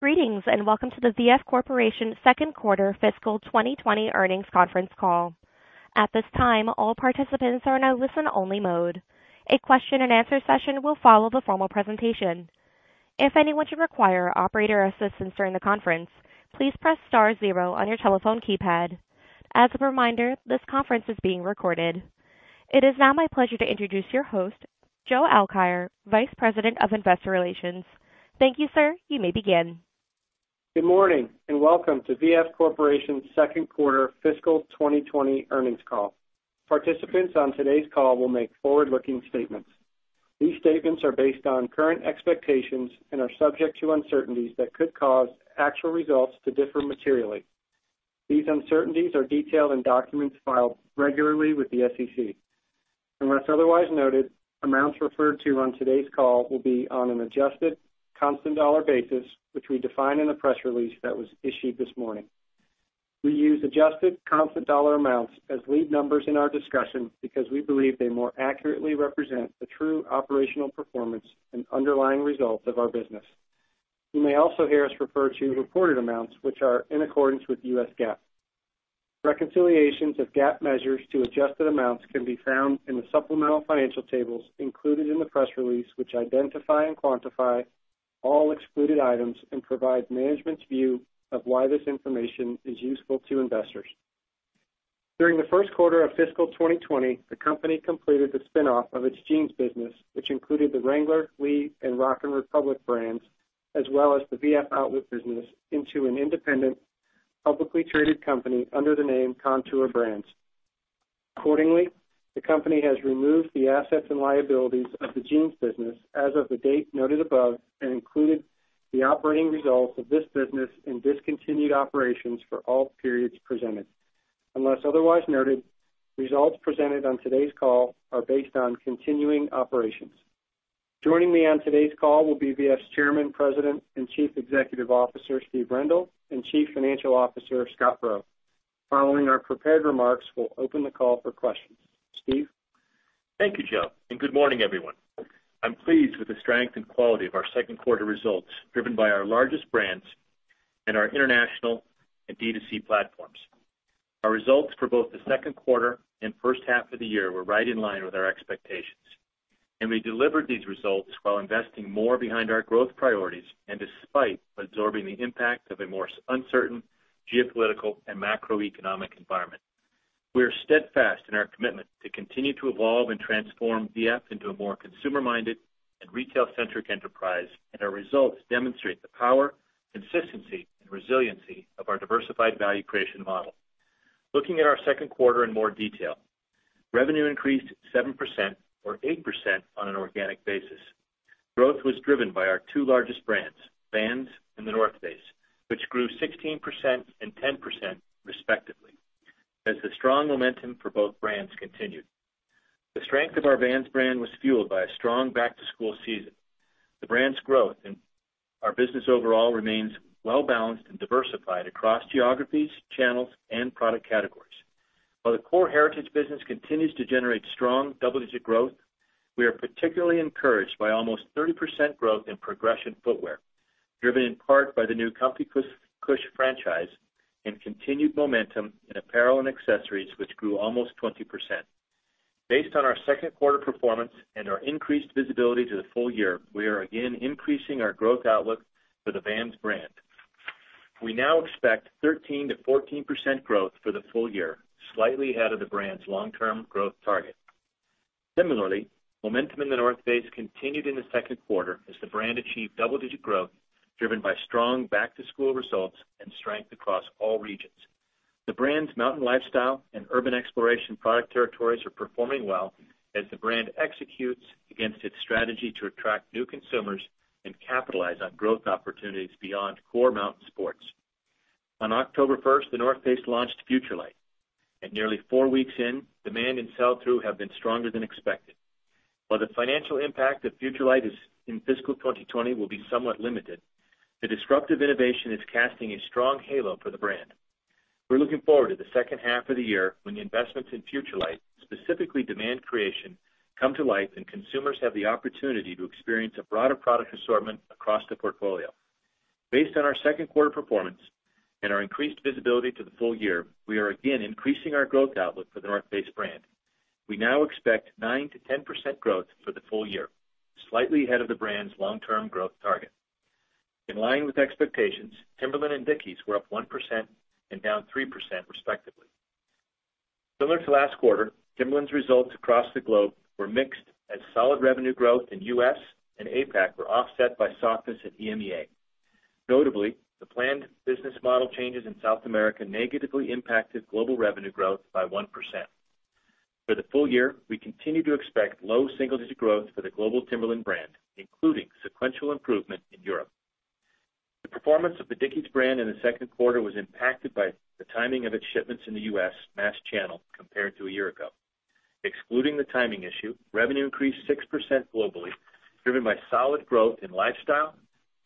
Greetings, and welcome to the VF Corporation second quarter fiscal 2020 earnings conference call. At this time, all participants are in a listen-only mode. A question and answer session will follow the formal presentation. If anyone should require operator assistance during the conference, please press star zero on your telephone keypad. As a reminder, this conference is being recorded. It is now my pleasure to introduce your host, Joe Alkire, Vice President of Investor Relations. Thank you, sir. You may begin. Good morning, and welcome to V.F. Corporation's second quarter fiscal 2020 earnings call. Participants on today's call will make forward-looking statements. These statements are based on current expectations and are subject to uncertainties that could cause actual results to differ materially. These uncertainties are detailed in documents filed regularly with the SEC. Unless otherwise noted, amounts referred to on today's call will be on an adjusted constant dollar basis, which we define in the press release that was issued this morning. We use adjusted constant dollar amounts as lead numbers in our discussion because we believe they more accurately represent the true operational performance and underlying results of our business. You may also hear us refer to reported amounts which are in accordance with U.S. GAAP. Reconciliations of GAAP measures to adjusted amounts can be found in the supplemental financial tables included in the press release, which identify and quantify all excluded items and provide management's view of why this information is useful to investors. During the first quarter of fiscal 2020, the company completed the spin-off of its jeans business, which included the Wrangler, Lee, and Rock & Republic brands, as well as the VF Outlet business into an independent, publicly traded company under the name Kontoor Brands. Accordingly, the company has removed the assets and liabilities of the jeans business as of the date noted above and included the operating results of this business in discontinued operations for all periods presented. Unless otherwise noted, results presented on today's call are based on continuing operations. Joining me on today's call will be VF's Chairman, President, and Chief Executive Officer, Steve Rendle, and Chief Financial Officer, Scott Roe. Following our prepared remarks, we'll open the call for questions. Steve? Thank you, Joe. Good morning, everyone. I'm pleased with the strength and quality of our second quarter results, driven by our largest brands and our international and D2C platforms. Our results for both the second quarter and first half of the year were right in line with our expectations. We delivered these results while investing more behind our growth priorities, and despite absorbing the impact of a more uncertain geopolitical and macroeconomic environment. We are steadfast in our commitment to continue to evolve and transform V.F. into a more consumer-minded and retail-centric enterprise, and our results demonstrate the power, consistency, and resiliency of our diversified value creation model. Looking at our second quarter in more detail. Revenue increased 7% or 8% on an organic basis. Growth was driven by our two largest brands, Vans and The North Face, which grew 16% and 10%, respectively, as the strong momentum for both brands continued. The strength of our Vans brand was fueled by a strong back-to-school season. The brand's growth and our business overall remains well-balanced and diversified across geographies, channels, and product categories. While the core heritage business continues to generate strong double-digit growth, we are particularly encouraged by almost 30% growth in progression footwear, driven in part by the new ComfyCush franchise and continued momentum in apparel and accessories, which grew almost 20%. Based on our second quarter performance and our increased visibility to the full year, we are again increasing our growth outlook for the Vans brand. We now expect 13%-14% growth for the full year, slightly ahead of the brand's long-term growth target. Similarly, momentum in The North Face continued in the second quarter as the brand achieved double-digit growth, driven by strong back-to-school results and strength across all regions. The brand's mountain lifestyle and urban exploration product territories are performing well as the brand executes against its strategy to attract new consumers and capitalize on growth opportunities beyond core mountain sports. On October 1st, The North Face launched FUTURELIGHT. At nearly four weeks in, demand and sell-through have been stronger than expected. While the financial impact of FUTURELIGHT in fiscal 2020 will be somewhat limited, the disruptive innovation is casting a strong halo for the brand. We're looking forward to the second half of the year when the investments in FUTURELIGHT, specifically demand creation, come to life and consumers have the opportunity to experience a broader product assortment across the portfolio. Based on our second quarter performance and our increased visibility to the full year, we are again increasing our growth outlook for The North Face brand. We now expect 9%-10% growth for the full year, slightly ahead of the brand's long-term growth target. In line with expectations, Timberland and Dickies were up 1% and down 3%, respectively. Similar to last quarter, Timberland's results across the globe were mixed as solid revenue growth in U.S. and APAC were offset by softness at EMEA. Notably, the planned business model changes in South America negatively impacted global revenue growth by 1%. For the full year, we continue to expect low single-digit growth for the global Timberland brand, including sequential improvement in Europe. The performance of the Dickies brand in the second quarter was impacted by the timing of its shipments in the U.S. mass channel compared to a year ago. Excluding the timing issue, revenue increased 6% globally, driven by solid growth in lifestyle,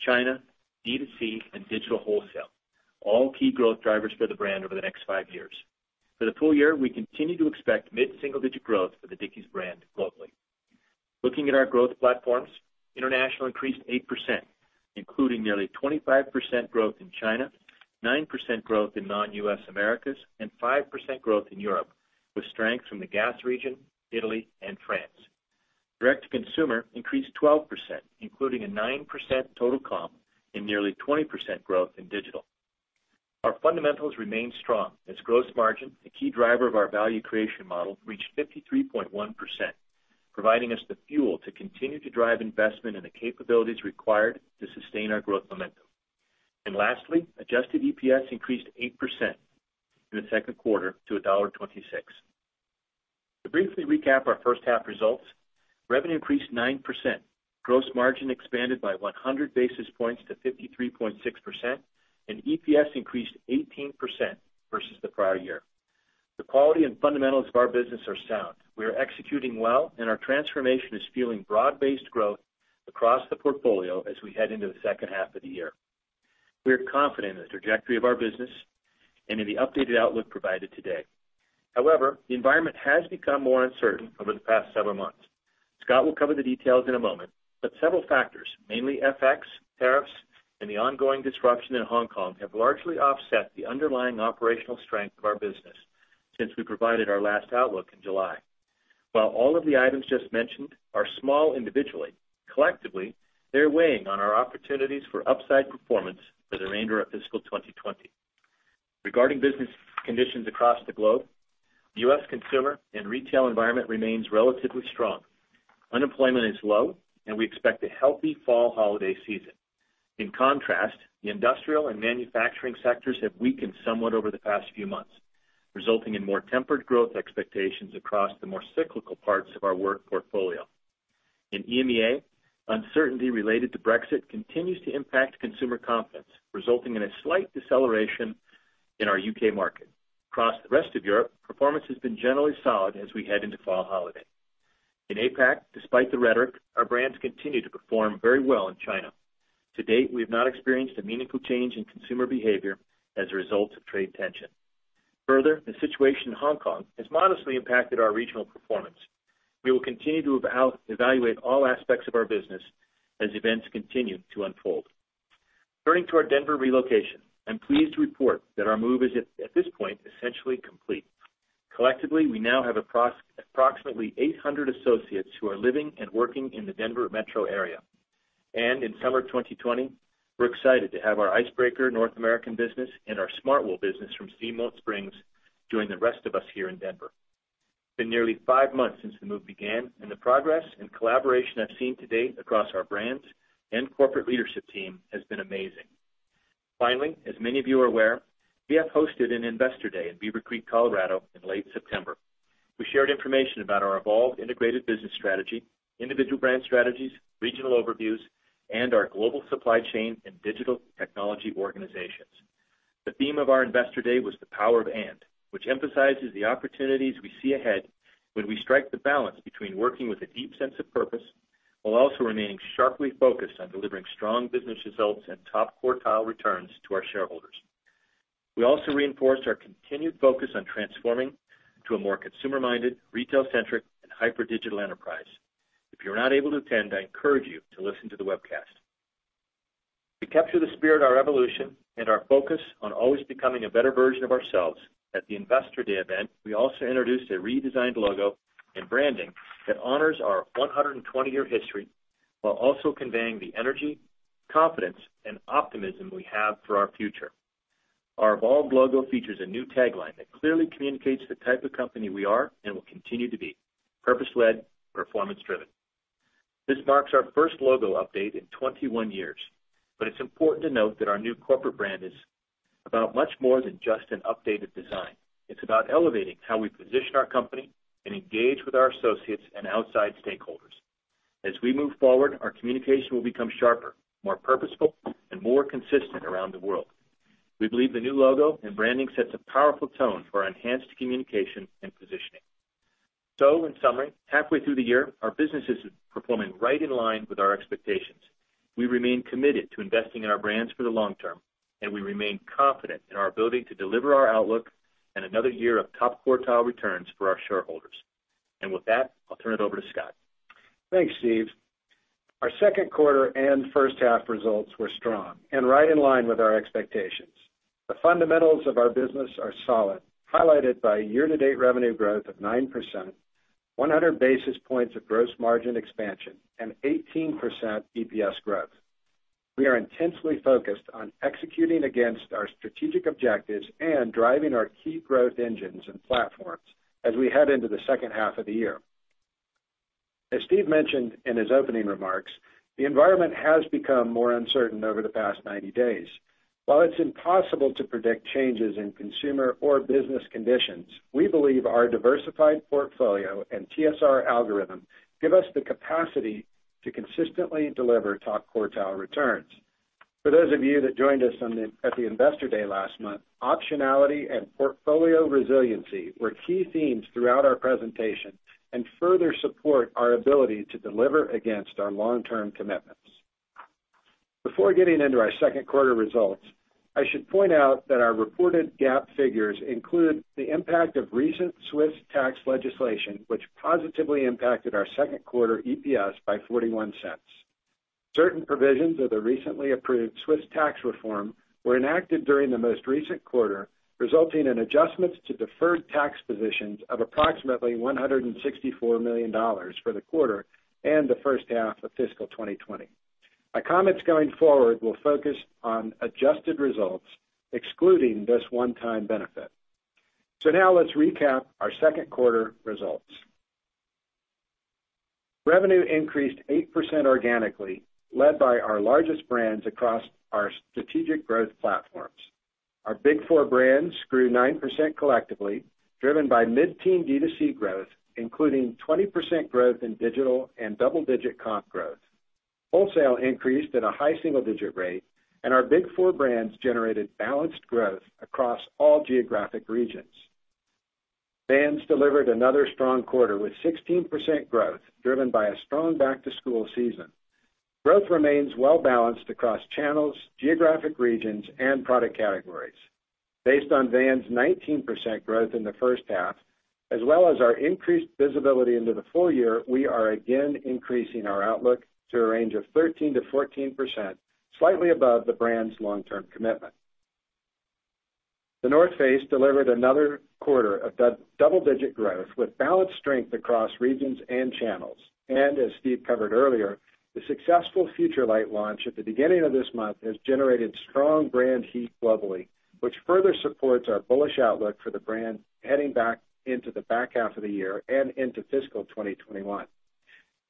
China, D2C, and digital wholesale, all key growth drivers for the brand over the next five years. For the full year, we continue to expect mid-single-digit growth for the Dickies brand globally. Looking at our growth platforms, international increased 8%, including nearly 25% growth in China, 9% growth in non-U.S. Americas, and 5% growth in Europe, with strength from the DACH region, Italy and France. Direct-to-consumer increased 12%, including a 9% total comp and nearly 20% growth in digital. Our fundamentals remain strong, as gross margin, a key driver of our value creation model, reached 53.1%, providing us the fuel to continue to drive investment in the capabilities required to sustain our growth momentum. Lastly, adjusted EPS increased 8% in the second quarter to $1.26. To briefly recap our first half results, revenue increased 9%, gross margin expanded by 100 basis points to 53.6%, and EPS increased 18% versus the prior year. The quality and fundamentals of our business are sound. We are executing well, and our transformation is fueling broad-based growth across the portfolio as we head into the second half of the year. We are confident in the trajectory of our business and in the updated outlook provided today. However, the environment has become more uncertain over the past several months. Scott will cover the details in a moment, but several factors, mainly FX, tariffs, and the ongoing disruption in Hong Kong, have largely offset the underlying operational strength of our business since we provided our last outlook in July. While all of the items just mentioned are small individually, collectively, they're weighing on our opportunities for upside performance for the remainder of fiscal 2020. Regarding business conditions across the globe, the U.S. consumer and retail environment remains relatively strong. Unemployment is low, and we expect a healthy fall holiday season. In contrast, the industrial and manufacturing sectors have weakened somewhat over the past few months, resulting in more tempered growth expectations across the more cyclical parts of our work portfolio. In EMEA, uncertainty related to Brexit continues to impact consumer confidence, resulting in a slight deceleration in our U.K. market. Across the rest of Europe, performance has been generally solid as we head into fall holiday. In APAC, despite the rhetoric, our brands continue to perform very well in China. To date, we have not experienced a meaningful change in consumer behavior as a result of trade tension. Further, the situation in Hong Kong has modestly impacted our regional performance. We will continue to evaluate all aspects of our business as events continue to unfold. Turning to our Denver relocation, I'm pleased to report that our move is at this point essentially complete. Collectively, we now have approximately 800 associates who are living and working in the Denver metro area. In summer 2020, we're excited to have our Icebreaker North American business and our Smartwool business from Steamboat Springs join the rest of us here in Denver. It's been nearly five months since the move began, and the progress and collaboration I've seen to date across our brands and corporate leadership team has been amazing. Finally, as many of you are aware, we have hosted an investor day in Beaver Creek, Colorado in late September. We shared information about our evolved integrated business strategy, individual brand strategies, regional overviews, and our global supply chain and digital technology organizations. The theme of our investor day was the power of and, which emphasizes the opportunities we see ahead when we strike the balance between working with a deep sense of purpose while also remaining sharply focused on delivering strong business results and top quartile returns to our shareholders. We also reinforced our continued focus on transforming to a more consumer-minded, retail-centric and hyper digital enterprise. If you were not able to attend, I encourage you to listen to the webcast. To capture the spirit of our evolution and our focus on always becoming a better version of ourselves, at the investor day event, we also introduced a redesigned logo and branding that honors our 120-year history while also conveying the energy, confidence, and optimism we have for our future. Our evolved logo features a new tagline that clearly communicates the type of company we are and will continue to be: purpose-led, performance-driven. This marks our first logo update in 21 years, but it's important to note that our new corporate brand is about much more than just an updated design. It's about elevating how we position our company and engage with our associates and outside stakeholders. As we move forward, our communication will become sharper, more purposeful, and more consistent around the world. We believe the new logo and branding sets a powerful tone for enhanced communication and positioning. In summary, halfway through the year, our business is performing right in line with our expectations. We remain committed to investing in our brands for the long term, and we remain confident in our ability to deliver our outlook and another year of top quartile returns for our shareholders. With that, I'll turn it over to Scott. Thanks, Steve. Our second quarter and first half results were strong and right in line with our expectations. The fundamentals of our business are solid, highlighted by year-to-date revenue growth of 9%, 100 basis points of gross margin expansion, and 18% EPS growth. We are intensely focused on executing against our strategic objectives and driving our key growth engines and platforms as we head into the second half of the year. As Steve mentioned in his opening remarks, the environment has become more uncertain over the past 90 days. While it's impossible to predict changes in consumer or business conditions, we believe our diversified portfolio and TSR algorithm give us the capacity to consistently deliver top quartile returns. For those of you that joined us at the investor day last month, optionality and portfolio resiliency were key themes throughout our presentation and further support our ability to deliver against our long-term commitments. Before getting into our second quarter results, I should point out that our reported GAAP figures include the impact of recent Swiss tax legislation, which positively impacted our second quarter EPS by $0.41. Certain provisions of the recently approved Swiss tax reform were enacted during the most recent quarter, resulting in adjustments to deferred tax positions of approximately $164 million for the quarter and the first half of fiscal 2020. My comments going forward will focus on adjusted results excluding this one-time benefit. Now let's recap our second quarter results. Revenue increased 8% organically, led by our largest brands across our strategic growth platforms. Our big four brands grew 9% collectively, driven by mid-teen D2C growth, including 20% growth in digital and double-digit comp growth. Wholesale increased at a high single-digit rate, and our big four brands generated balanced growth across all geographic regions. Vans delivered another strong quarter with 16% growth, driven by a strong back-to-school season. Growth remains well-balanced across channels, geographic regions, and product categories. Based on Vans' 19% growth in the first half, as well as our increased visibility into the full year, we are again increasing our outlook to a range of 13%-14%, slightly above the brand's long-term commitment. The North Face delivered another quarter of double-digit growth with balanced strength across regions and channels. As Steve covered earlier, the successful FUTURELIGHT launch at the beginning of this month has generated strong brand heat globally, which further supports our bullish outlook for the brand heading back into the back half of the year and into fiscal 2021.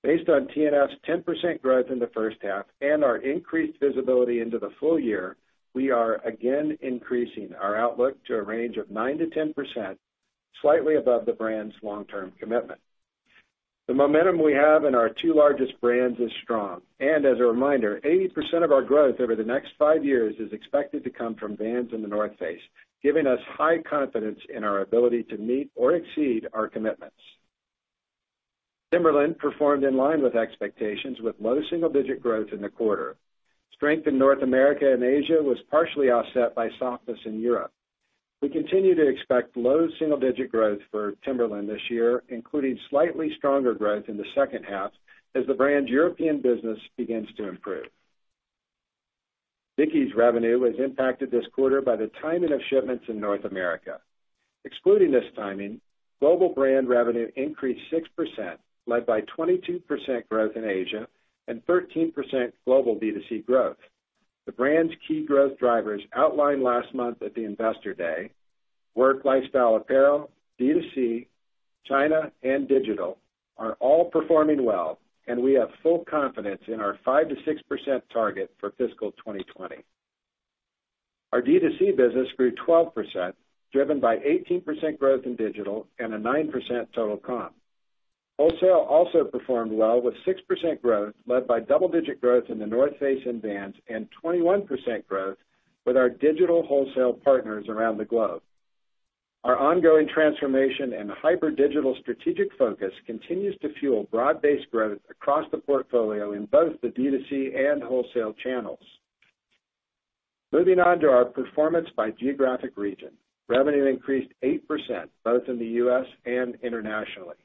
Based on TNF's 10% growth in the first half and our increased visibility into the full year, we are again increasing our outlook to a range of 9%-10%, slightly above the brand's long-term commitment. The momentum we have in our two largest brands is strong. As a reminder, 80% of our growth over the next five years is expected to come from Vans and The North Face, giving us high confidence in our ability to meet or exceed our commitments. Timberland performed in line with expectations with low double-digit growth in the quarter. Strength in North America and Asia was partially offset by softness in Europe. We continue to expect low single-digit growth for Timberland this year, including slightly stronger growth in the second half as the brand's European business begins to improve. Dickies revenue was impacted this quarter by the timing of shipments in North America. Excluding this timing, global brand revenue increased 6%, led by 22% growth in Asia and 13% global D2C growth. The brand's key growth drivers outlined last month at the Investor Day, work lifestyle apparel, D2C, China, and digital, are all performing well, and we have full confidence in our 5%-6% target for fiscal 2020. Our D2C business grew 12%, driven by 18% growth in digital and a 9% total comp. Wholesale also performed well with 6% growth, led by double-digit growth in The North Face and Vans and 21% growth with our digital wholesale partners around the globe. Our ongoing transformation and hyper-digital strategic focus continues to fuel broad-based growth across the portfolio in both the D2C and wholesale channels. Moving on to our performance by geographic region. Revenue increased 8% both in the U.S. and internationally.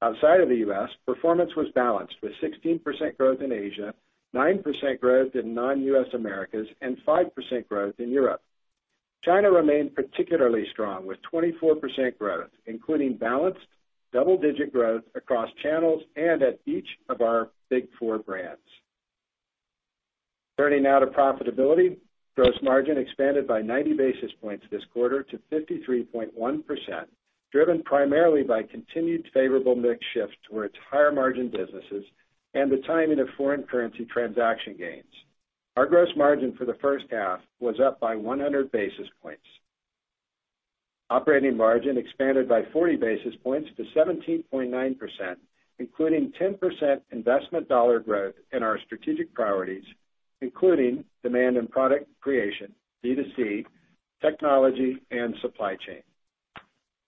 Outside of the U.S., performance was balanced with 16% growth in Asia, 9% growth in non-U.S. Americas, and 5% growth in Europe. China remained particularly strong with 24% growth, including balanced double-digit growth across channels and at each of our big four brands. Turning now to profitability. Gross margin expanded by 90 basis points this quarter to 53.1%, driven primarily by continued favorable mix shift towards higher-margin businesses and the timing of foreign currency transaction gains. Our gross margin for the first half was up by 100 basis points. Operating margin expanded by 40 basis points to 17.9%, including 10% investment dollar growth in our strategic priorities, including demand and product creation, D2C, technology, and supply chain.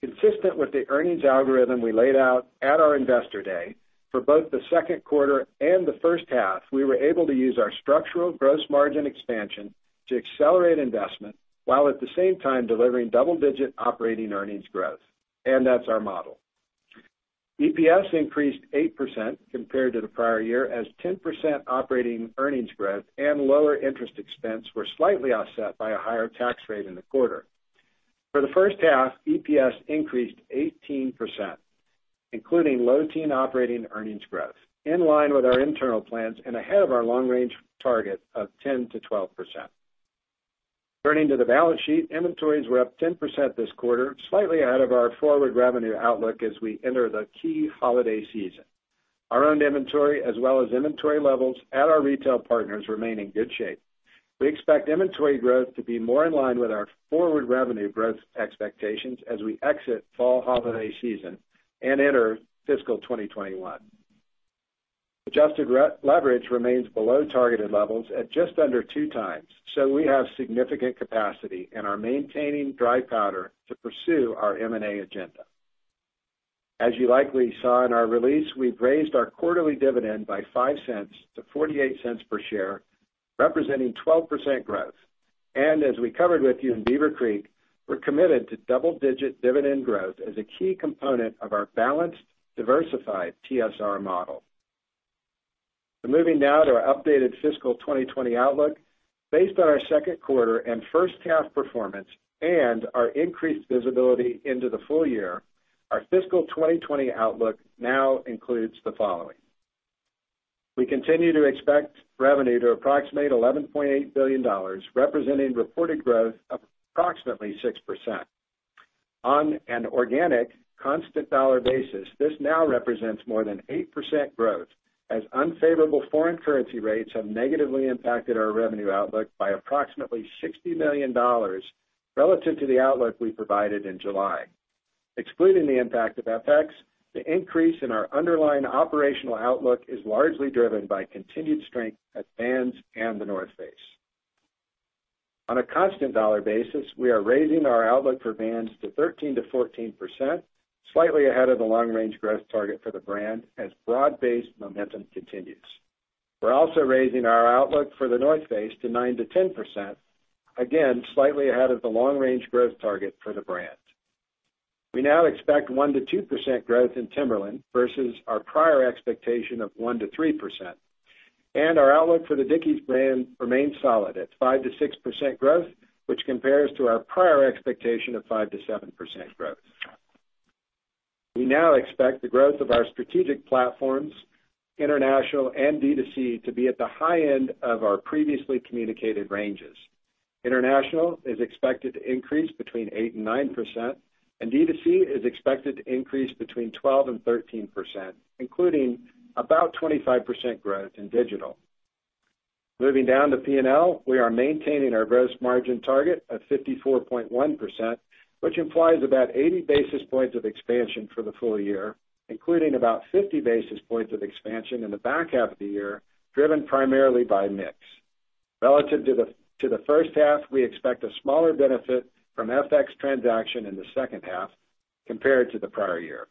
Consistent with the earnings algorithm we laid out at our Investor Day, for both the second quarter and the first half, we were able to use our structural gross margin expansion to accelerate investment while at the same time delivering double-digit operating earnings growth. That's our model. EPS increased 8% compared to the prior year as 10% operating earnings growth and lower interest expense were slightly offset by a higher tax rate in the quarter. For the first half, EPS increased 18%, including low teen operating earnings growth, in line with our internal plans and ahead of our long-range target of 10%-12%. Turning to the balance sheet, inventories were up 10% this quarter, slightly ahead of our forward revenue outlook as we enter the key holiday season. Our own inventory as well as inventory levels at our retail partners remain in good shape. We expect inventory growth to be more in line with our forward revenue growth expectations as we exit fall holiday season and enter fiscal 2021. Adjusted leverage remains below targeted levels at just under 2 times, we have significant capacity and are maintaining dry powder to pursue our M&A agenda. As you likely saw in our release, we've raised our quarterly dividend by $0.05 to $0.48 per share, representing 12% growth. As we covered with you in Beaver Creek, we're committed to double-digit dividend growth as a key component of our balanced, diversified TSR model. Moving now to our updated fiscal 2020 outlook. Based on our second quarter and first half performance and our increased visibility into the full year, our fiscal 2020 outlook now includes the following. We continue to expect revenue to approximate $11.8 billion, representing reported growth of approximately 6%. On an organic constant dollar basis, this now represents more than 8% growth, as unfavorable foreign currency rates have negatively impacted our revenue outlook by approximately $60 million relative to the outlook we provided in July. Excluding the impact of FX, the increase in our underlying operational outlook is largely driven by continued strength at Vans and The North Face. On a constant dollar basis, we are raising our outlook for Vans to 13%-14%, slightly ahead of the long-range growth target for the brand, as broad-based momentum continues. We're also raising our outlook for The North Face to 9%-10%, again, slightly ahead of the long-range growth target for the brand. We now expect 1%-2% growth in Timberland versus our prior expectation of 1%-3%. Our outlook for the Dickies brand remains solid at 5%-6% growth, which compares to our prior expectation of 5%-7% growth. We now expect the growth of our strategic platforms, international and D2C, to be at the high end of our previously communicated ranges. International is expected to increase between 8% and 9%, and D2C is expected to increase between 12% and 13%, including about 25% growth in digital. Moving down to P&L, we are maintaining our gross margin target of 54.1%, which implies about 80 basis points of expansion for the full year, including about 50 basis points of expansion in the back half of the year, driven primarily by mix. Relative to the first half, we expect a smaller benefit from FX transaction in the second half compared to the prior year.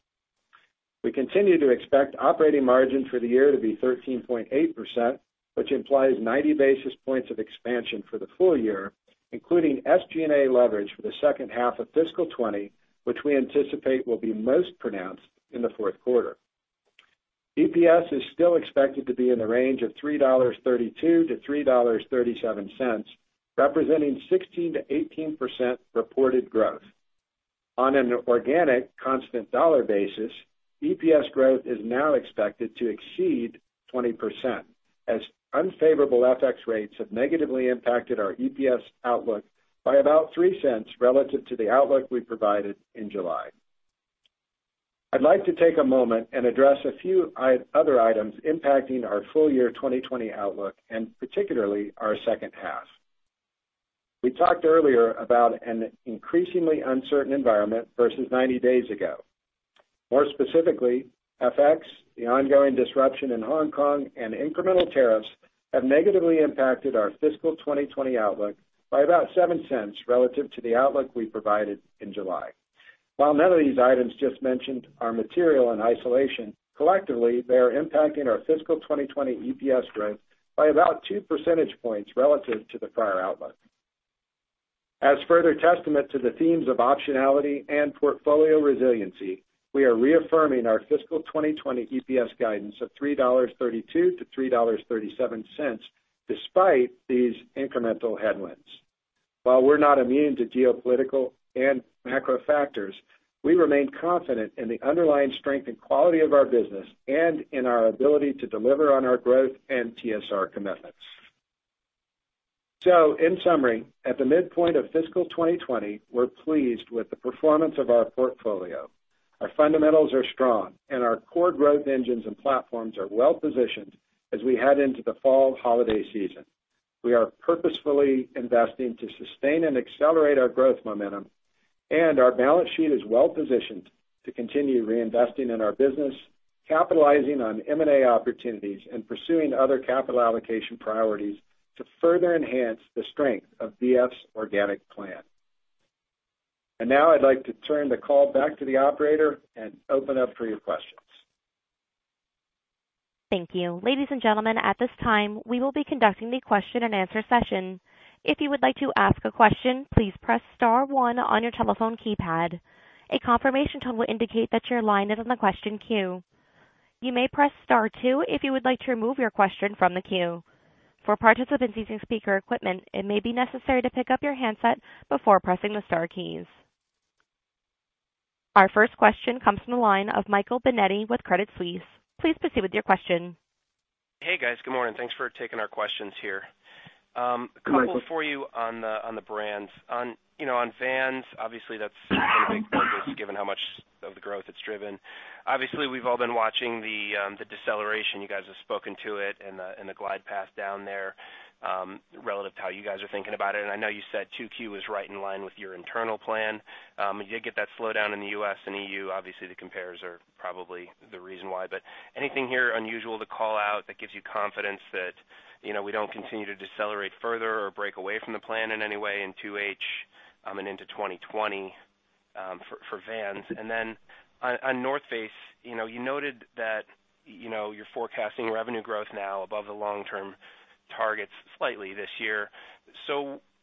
We continue to expect operating margin for the year to be 13.8%, which implies 90 basis points of expansion for the full year, including SG&A leverage for the second half of fiscal 2020, which we anticipate will be most pronounced in the fourth quarter. EPS is still expected to be in the range of $3.32-$3.37, representing 16%-18% reported growth. On an organic constant dollar basis, EPS growth is now expected to exceed 20%, as unfavorable FX rates have negatively impacted our EPS outlook by about $0.03 relative to the outlook we provided in July. I'd like to take a moment and address a few other items impacting our full year 2020 outlook, and particularly our second half. We talked earlier about an increasingly uncertain environment versus 90 days ago. More specifically, FX, the ongoing disruption in Hong Kong, and incremental tariffs have negatively impacted our fiscal 2020 outlook by about $0.07 relative to the outlook we provided in July. While none of these items just mentioned are material in isolation, collectively, they are impacting our fiscal 2020 EPS growth by about two percentage points relative to the prior outlook. As further testament to the themes of optionality and portfolio resiliency, we are reaffirming our fiscal 2020 EPS guidance of $3.32-$3.37, despite these incremental headwinds. While we're not immune to geopolitical and macro factors, we remain confident in the underlying strength and quality of our business and in our ability to deliver on our growth and TSR commitments. In summary, at the midpoint of fiscal 2020, we're pleased with the performance of our portfolio. Our fundamentals are strong, and our core growth engines and platforms are well-positioned as we head into the fall holiday season. We are purposefully investing to sustain and accelerate our growth momentum, and our balance sheet is well-positioned to continue reinvesting in our business, capitalizing on M&A opportunities, and pursuing other capital allocation priorities to further enhance the strength of VF's organic plan. Now I'd like to turn the call back to the operator and open up for your questions. Thank you. Ladies and gentlemen, at this time, we will be conducting the question and answer session. If you would like to ask a question, please press star 1 on your telephone keypad. A confirmation tone will indicate that your line is in the question queue. You may press star 2 if you would like to remove your question from the queue. For participants using speaker equipment, it may be necessary to pick up your handset before pressing the star keys. Our first question comes from the line of Michael Binetti with Credit Suisse. Please proceed with your question. Michael. Hey, guys. Good morning. Thanks for taking our questions here. A couple for you on the brands. On Vans, obviously that's been a big focus given how much of the growth it's driven. Obviously, we've all been watching the deceleration. You guys have spoken to it and the glide path down there relative to how you guys are thinking about it. And I know you said 2Q was right in line with your internal plan. You did get that slowdown in the U.S. and EU. Obviously, the compares are probably the reason why. But anything here unusual to call out that gives you confidence that we don't continue to decelerate further or break away from the plan in any way in 2H and into 2020? For Vans. And then on North Face, you noted that you're forecasting revenue growth now above the long-term targets slightly this year.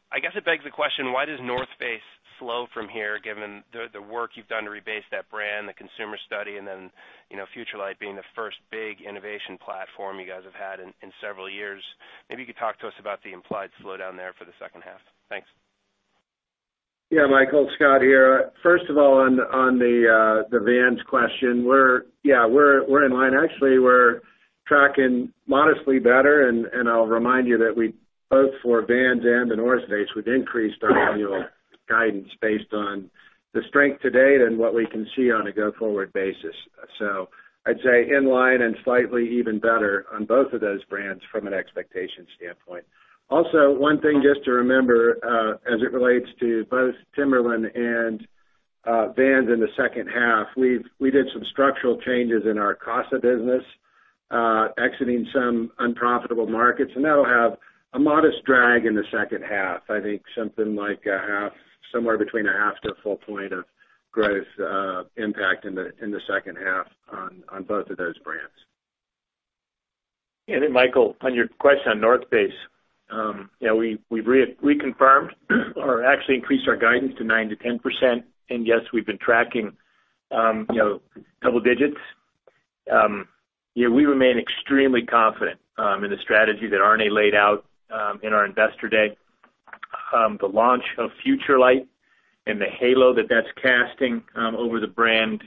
I guess it begs the question, why does The North Face slow from here, given the work you've done to rebase that brand, the consumer study, and then FUTURELIGHT being the first big innovation platform you guys have had in several years? Maybe you could talk to us about the implied slowdown there for the second half. Thanks. Michael, Scott here. First of all, on the Vans question, we're in line. Actually, we're tracking modestly better, and I'll remind you that both for Vans and The North Face, we've increased our annual guidance based on the strength to date and what we can see on a go-forward basis. I'd say in line and slightly even better on both of those brands from an expectation standpoint. Also, one thing just to remember, as it relates to both Timberland and Vans in the second half, we did some structural changes in our CASA business, exiting some unprofitable markets, and that'll have a modest drag in the second half. I think something like somewhere between a half to a full point of growth impact in the second half on both of those brands. Then Michael, on your question on The North Face. We reconfirmed or actually increased our guidance to 9%-10%. Yes, we've been tracking double digits. We remain extremely confident in the strategy that Arne laid out in our Investor Day. The launch of FUTURELIGHT and the halo that that's casting over the brand,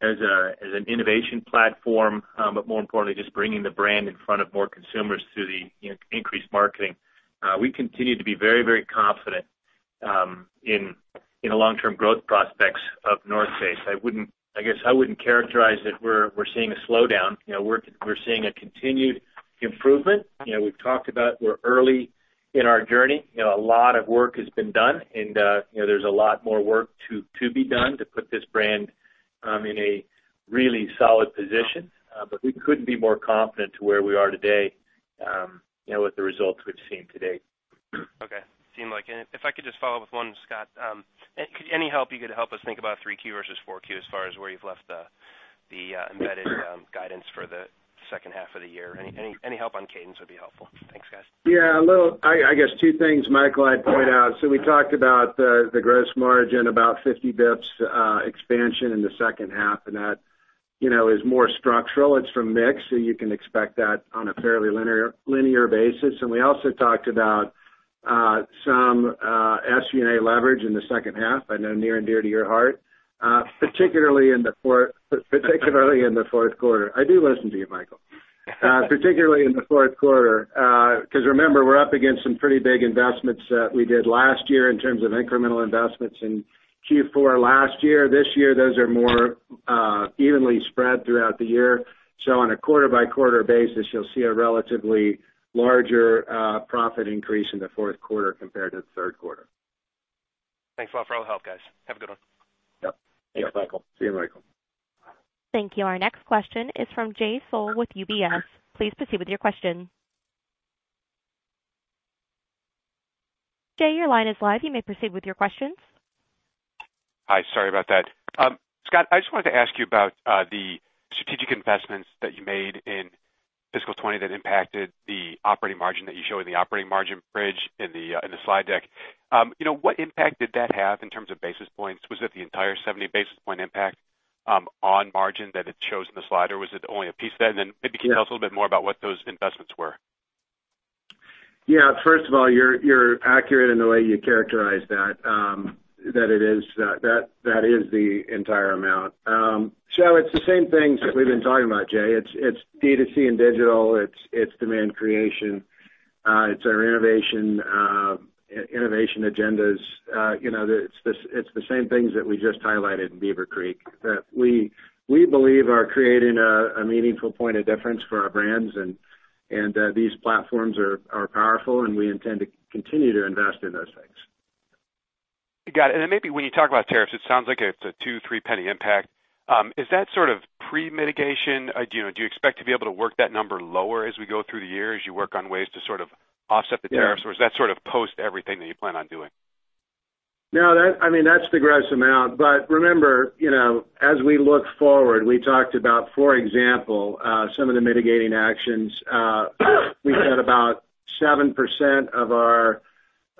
as an innovation platform, but more importantly, just bringing the brand in front of more consumers through the increased marketing. We continue to be very confident in the long-term growth prospects of The North Face. I guess I wouldn't characterize it, we're seeing a slowdown. We're seeing a continued improvement. We've talked about we're early in our journey. A lot of work has been done and there's a lot more work to be done to put this brand in a really solid position. We couldn't be more confident to where we are today, with the results we've seen to date. Okay. If I could just follow up with one, Scott. Any help you could help us think about 3Q versus 4Q as far as where you've left the embedded guidance for the second half of the year. Any help on cadence would be helpful. Thanks, guys. Yeah. I guess two things, Michael, I'd point out. We talked about the gross margin, about 50 basis points expansion in the second half, and that is more structural. It's from mix, so you can expect that on a fairly linear basis. We also talked about some SG&A leverage in the second half. I know, near and dear to your heart. Particularly in the fourth quarter. I do listen to you, Michael. Particularly in the fourth quarter. Remember, we're up against some pretty big investments that we did last year in terms of incremental investments in Q4 last year. This year, those are more evenly spread throughout the year. On a quarter-by-quarter basis, you'll see a relatively larger profit increase in the fourth quarter compared to the third quarter. Thanks a lot for all the help, guys. Have a good one. Yep. Thanks, Michael. See you, Michael. Thank you. Our next question is from Jay Sole with UBS. Please proceed with your question. Jay, your line is live. You may proceed with your questions. Hi, sorry about that. Scott, I just wanted to ask you about the strategic investments that you made in fiscal 2020 that impacted the operating margin that you show in the operating margin bridge in the slide deck. What impact did that have in terms of basis points? Was it the entire 70 basis point impact on margin that it shows in the slide, or was it only a piece of that? Then maybe you can tell us a little bit more about what those investments were. Yeah. First of all, you're accurate in the way you characterized that. That is the entire amount. It's the same things that we've been talking about, Jay. It's D2C and digital, it's demand creation. It's our innovation agendas. It's the same things that we just highlighted in Beaver Creek that we believe are creating a meaningful point of difference for our brands. These platforms are powerful, and we intend to continue to invest in those things. Got it. Maybe when you talk about tariffs, it sounds like it's a $0.02-$0.03 impact. Is that sort of pre-mitigation? Do you expect to be able to work that number lower as we go through the year, as you work on ways to sort of offset the tariffs? Yeah. Is that sort of post everything that you plan on doing? No, that's the gross amount. Remember, as we look forward, we talked about, for example, some of the mitigating actions. We've had about 7% of our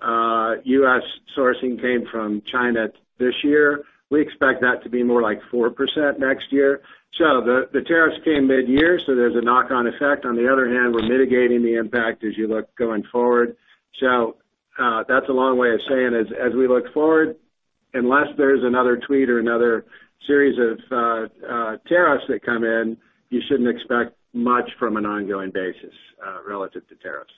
U.S. sourcing came from China this year. We expect that to be more like 4% next year. The tariffs came mid-year, so there's a knock-on effect. On the other hand, we're mitigating the impact as you look going forward. That's a long way of saying as we look forward, unless there's another tweet or another series of tariffs that come in, you shouldn't expect much from an ongoing basis relative to tariffs.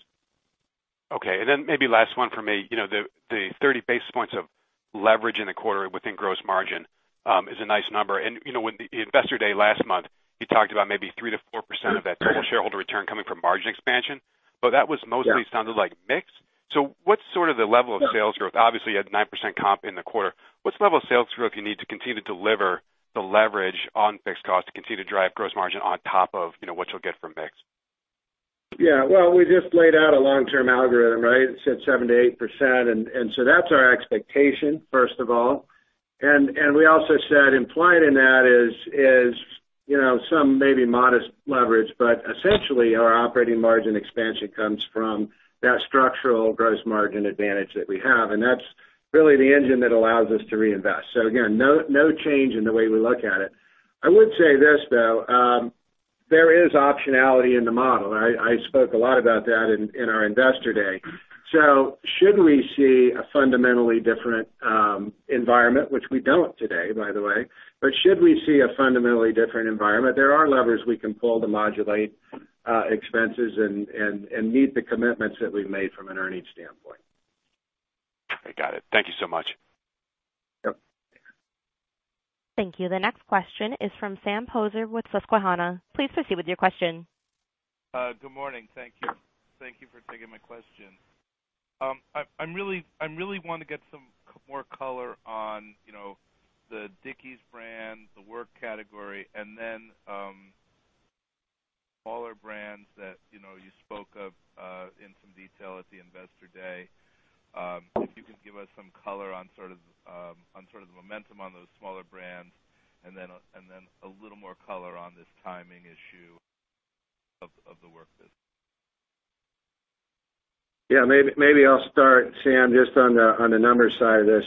Okay. Maybe last one from me. The 30 basis points of leverage in the quarter within gross margin is a nice number. In the Investor Day last month, you talked about maybe 3%-4% of that total shareholder return coming from margin expansion. That was mostly- Yeah sounded like mix. What's sort of the level of sales growth? Obviously, you had 9% comp in the quarter. What's the level of sales growth you need to continue to deliver the leverage on fixed cost to continue to drive gross margin on top of what you'll get from mix? Yeah. Well, we just laid out a long-term algorithm. It said 7%-8%. That's our expectation, first of all. We also said, implied in that is some maybe modest leverage, but essentially our operating margin expansion comes from that structural gross margin advantage that we have, and that's really the engine that allows us to reinvest. Again, no change in the way we look at it. I would say this, though, there is optionality in the model. I spoke a lot about that in our Investor Day. Should we see a fundamentally different environment, which we don't today, by the way, but should we see a fundamentally different environment, there are levers we can pull to modulate expenses and meet the commitments that we've made from an earnings standpoint. I got it. Thank you so much. Yep. Thank you. The next question is from Sam Poser with Susquehanna. Please proceed with your question. Good morning. Thank you. Thank you for taking my question. I really want to get some more color on the Dickies brand, the work category, and then smaller brands that you spoke of in some detail at the Investor Day. If you could give us some color on sort of the momentum on those smaller brands, and then a little more color on this timing issue of the work business. Yeah. Maybe I'll start, Sam, just on the numbers side of this.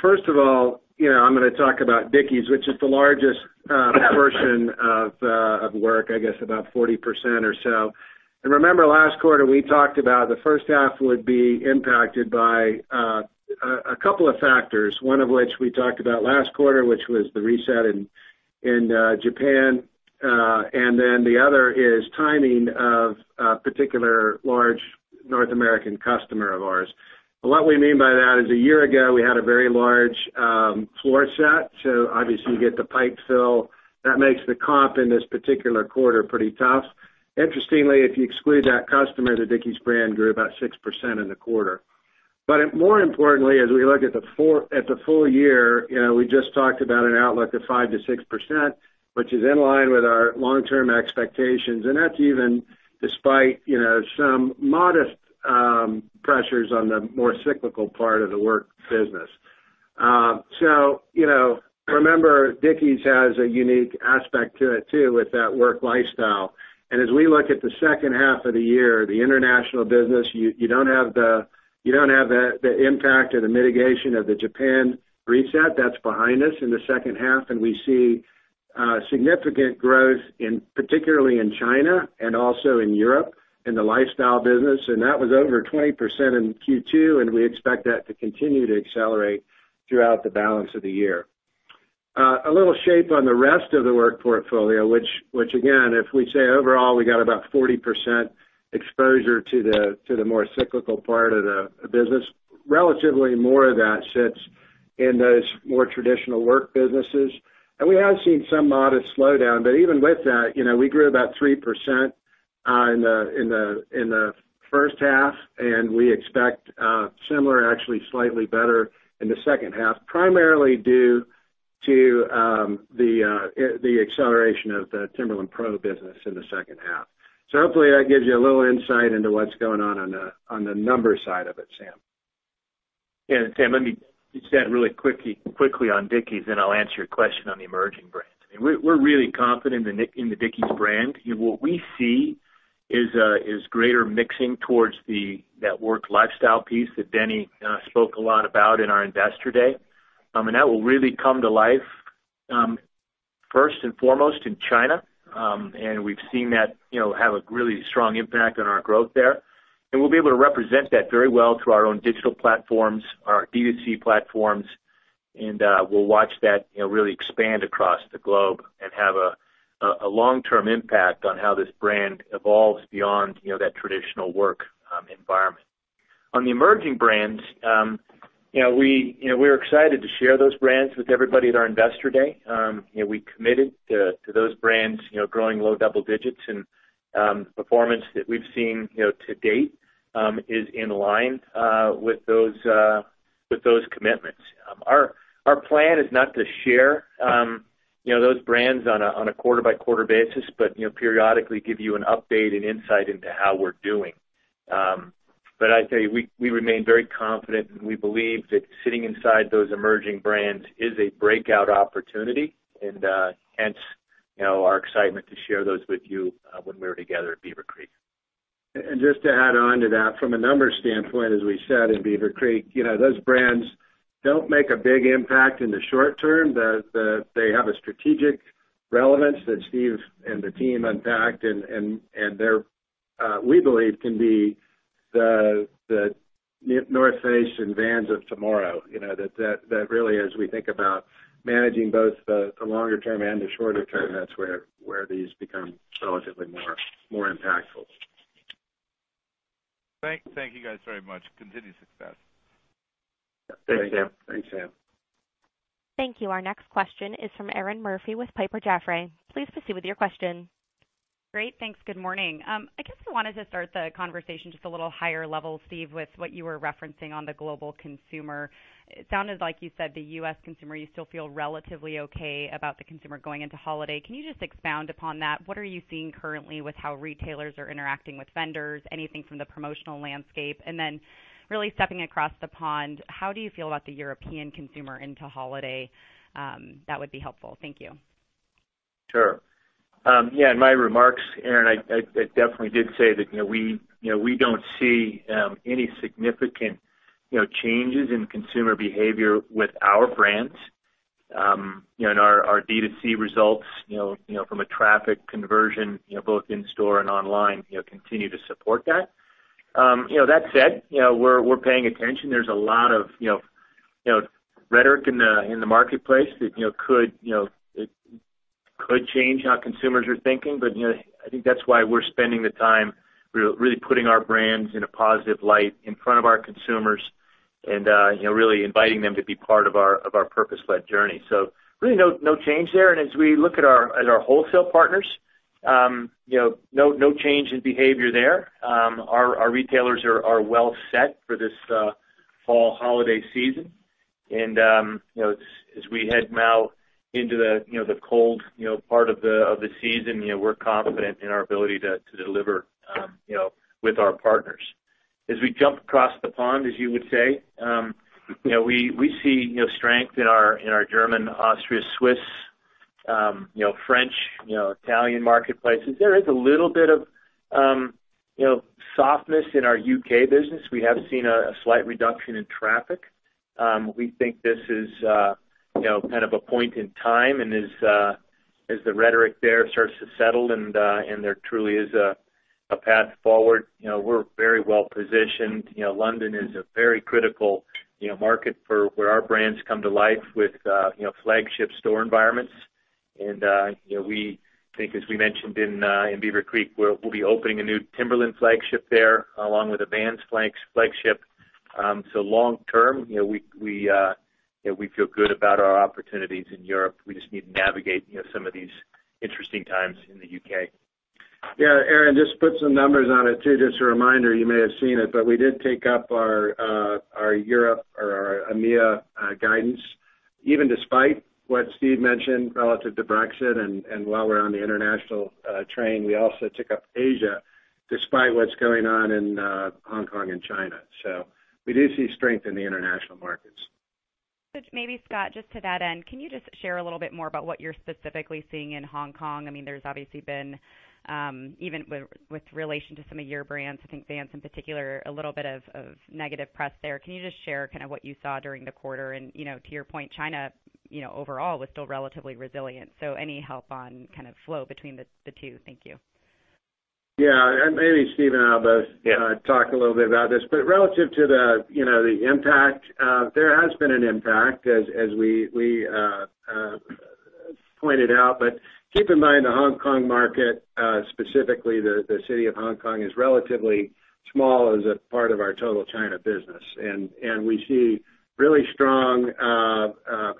First of all, I'm going to talk about Dickies, which is the largest portion of work, I guess about 40% or so. Remember last quarter, we talked about the first half would be impacted by a couple of factors, one of which we talked about last quarter, which was the reset in Japan. The other is timing of a particular large North American customer of ours. What we mean by that is a year ago, we had a very large floor set. Obviously you get the pipe fill. That makes the comp in this particular quarter pretty tough. Interestingly, if you exclude that customer, the Dickies brand grew about 6% in the quarter. More importantly, as we look at the full year, we just talked about an outlook of 5%-6%, which is in line with our long-term expectations. That's even despite some modest pressures on the more cyclical part of the work business. Remember, Dickies has a unique aspect to it too, with that work lifestyle. As we look at the second half of the year, the international business, you don't have the impact or the mitigation of the Japan reset. That's behind us in the second half, and we see significant growth particularly in China and also in Europe in the lifestyle business. That was over 20% in Q2, and we expect that to continue to accelerate throughout the balance of the year. A little shape on the rest of the work portfolio, which again, if we say overall, we got about 40% exposure to the more cyclical part of the business. Relatively more of that sits in those more traditional work businesses. We have seen some modest slowdown. Even with that, we grew about 3% in the first half, and we expect similar, actually slightly better, in the second half, primarily due to the acceleration of the Timberland PRO business in the second half. Hopefully that gives you a little insight into what's going on the numbers side of it, Sam. Yeah. Sam, let me just add really quickly on Dickies, then I'll answer your question on the emerging brands. We're really confident in the Dickies brand. What we see is greater mixing towards that work lifestyle piece that Denny spoke a lot about in our Investor Day. That will really come to life, first and foremost in China. We've seen that have a really strong impact on our growth there. We'll be able to represent that very well through our own digital platforms, our D2C platforms, and we'll watch that really expand across the globe and have a long-term impact on how this brand evolves beyond that traditional work environment. On the emerging brands, we're excited to share those brands with everybody at our Investor Day. We committed to those brands growing low double digits, performance that we've seen to date is in line with those commitments. Our plan is not to share those brands on a quarter-by-quarter basis, periodically give you an update and insight into how we're doing. I'd say we remain very confident, we believe that sitting inside those emerging brands is a breakout opportunity, hence our excitement to share those with you when we were together at Beaver Creek. Just to add on to that, from a numbers standpoint, as we said in Beaver Creek, those brands don't make a big impact in the short term. They have a strategic relevance that Steve and the team unpacked, and we believe can be The North Face and Vans of tomorrow. Really as we think about managing both the longer term and the shorter term, that's where these become relatively more impactful. Thank you guys very much. Continued success. Thanks, Sam. Thank you. Our next question is from Erinn Murphy with Piper Jaffray. Please proceed with your question. Great. Thanks. Good morning. I guess I wanted to start the conversation just a little higher level, Steve, with what you were referencing on the global consumer. It sounded like you said the U.S. consumer, you still feel relatively okay about the consumer going into holiday. Can you just expound upon that? What are you seeing currently with how retailers are interacting with vendors, anything from the promotional landscape? Really stepping across the pond, how do you feel about the European consumer into holiday? That would be helpful. Thank you. Sure. In my remarks, Erinn, I definitely did say that we don't see any significant changes in consumer behavior with our brands. Our D2C results from a traffic conversion, both in store and online, continue to support that. That said, we're paying attention. There's a lot of rhetoric in the marketplace that could change how consumers are thinking. I think that's why we're spending the time really putting our brands in a positive light in front of our consumers and really inviting them to be part of our purpose-led journey. Really, no change there. As we look at our wholesale partners, no change in behavior there. Our retailers are well set for this fall holiday season. As we head now into the cold part of the season, we're confident in our ability to deliver with our partners. As we jump across the pond, as you would say, we see strength in our German, Austria, Swiss, French, Italian marketplaces. There is a little bit of softness in our U.K. business. We have seen a slight reduction in traffic. We think this is a point in time, and as the rhetoric there starts to settle and there truly is a path forward, we're very well positioned. London is a very critical market for where our brands come to life with flagship store environments. We think, as we mentioned in Beaver Creek, we'll be opening a new Timberland flagship there, along with a Vans flagship. Long term, we feel good about our opportunities in Europe. We just need to navigate some of these interesting times in the U.K. Yeah, Erinn, just put some numbers on it, too. Just a reminder, you may have seen it, but we did take up our Europe or our EMEIA guidance, even despite what Steve mentioned relative to Brexit. While we're on the international train, we also took up Asia despite what's going on in Hong Kong and China. We do see strength in the international markets. Maybe Scott, just to that end, can you just share a little bit more about what you're specifically seeing in Hong Kong? There's obviously been, even with relation to some of your brands, I think Vans in particular, a little bit of negative press there. Can you just share what you saw during the quarter? To your point, China overall was still relatively resilient. Any help on flow between the two? Thank you. Yeah. Maybe Steve and I will both. Yeah talk a little bit about this. Relative to the impact, there has been an impact as we pointed out. Keep in mind, the Hong Kong market, specifically the city of Hong Kong, is relatively small as a part of our total China business, and we see really strong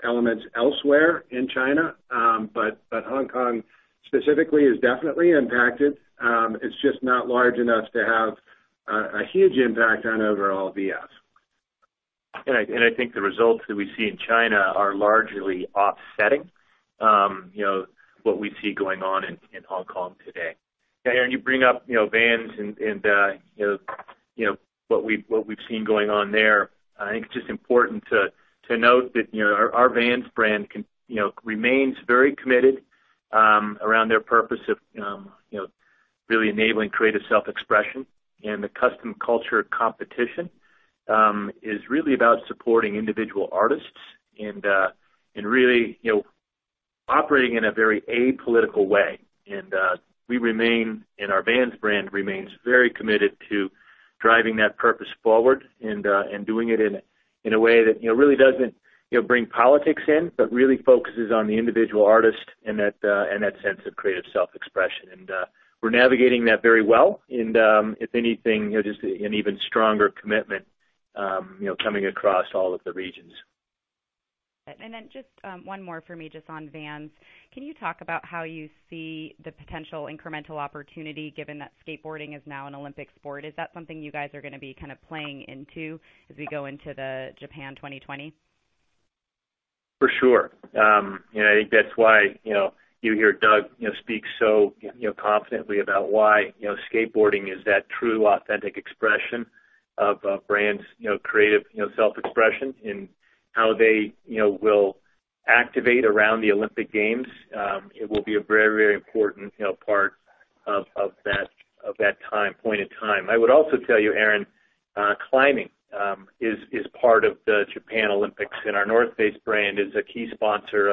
elements elsewhere in China. Hong Kong specifically is definitely impacted. It's just not large enough to have a huge impact on overall VF. I think the results that we see in China are largely offsetting what we see going on in Hong Kong today. Erinn, you bring up Vans and what we've seen going on there. I think it's just important to note that our Vans brand remains very committed around their purpose of really enabling creative self-expression. The custom culture competition is really about supporting individual artists and really operating in a very apolitical way. We remain, and our Vans brand remains very committed to driving that purpose forward and doing it in a way that really doesn't bring politics in, but really focuses on the individual artist and that sense of creative self-expression. We're navigating that very well. If anything, just an even stronger commitment coming across all of the regions. Just one more for me, just on Vans. Can you talk about how you see the potential incremental opportunity given that skateboarding is now an Olympic sport? Is that something you guys are going to be playing into as we go into the Japan 2020? For sure. I think that's why you hear Doug speak so confidently about why skateboarding is that true, authentic expression of a brand's creative self-expression and how they will activate around the Olympic Games. It will be a very important part of that point in time. I would also tell you, Erinn, climbing is part of the Japan Olympics, and our North Face brand is a key sponsor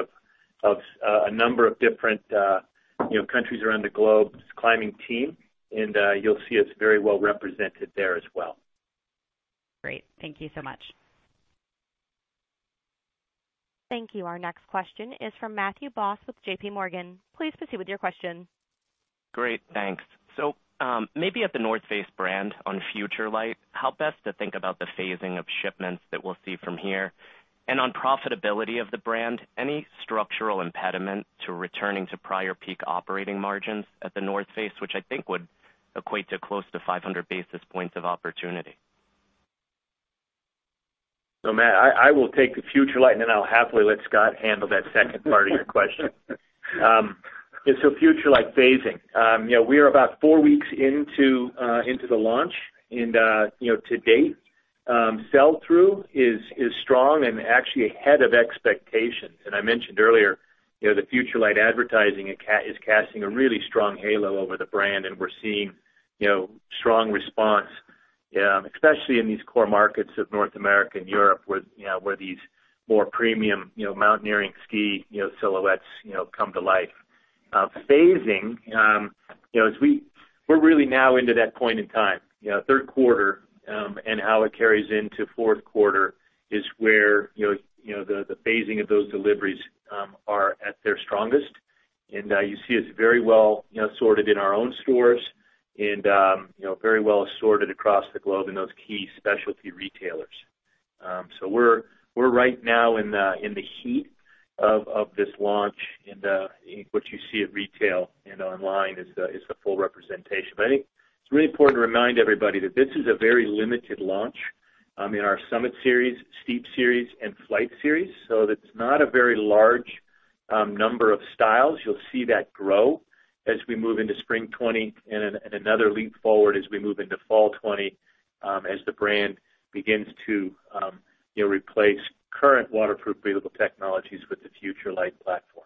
of a number of different countries around the globe's climbing team, and you'll see us very well represented there as well. Great. Thank you so much. Thank you. Our next question is from Matthew Boss with J.P. Morgan. Please proceed with your question. Great. Thanks. Maybe at The North Face brand on FUTURELIGHT, how best to think about the phasing of shipments that we'll see from here? On profitability of the brand, any structural impediment to returning to prior peak operating margins at The North Face, which I think would equate to close to 500 basis points of opportunity? Matt, I will take the FUTURELIGHT, and then I'll happily let Scott handle that second part of your question. FUTURELIGHT phasing. We are about four weeks into the launch, and to date, sell-through is strong and actually ahead of expectations. I mentioned earlier, the FUTURELIGHT advertising is casting a really strong halo over the brand, and we're seeing strong response, especially in these core markets of North America and Europe, where these more premium mountaineering ski silhouettes come to life. Phasing. We're really now into that point in time. Third quarter and how it carries into fourth quarter is where the phasing of those deliveries are at their strongest. You see it's very well assorted in our own stores and very well assorted across the globe in those key specialty retailers. We're right now in the heat of this launch, and what you see at retail and online is a full representation. I think it's really important to remind everybody that this is a very limited launch in our Summit Series, Steep Series, and Flight Series. That's not a very large number of styles. You'll see that grow as we move into spring 2020, and another leap forward as we move into fall 2020, as the brand begins to replace current waterproof breathable technologies with the FUTURELIGHT platform.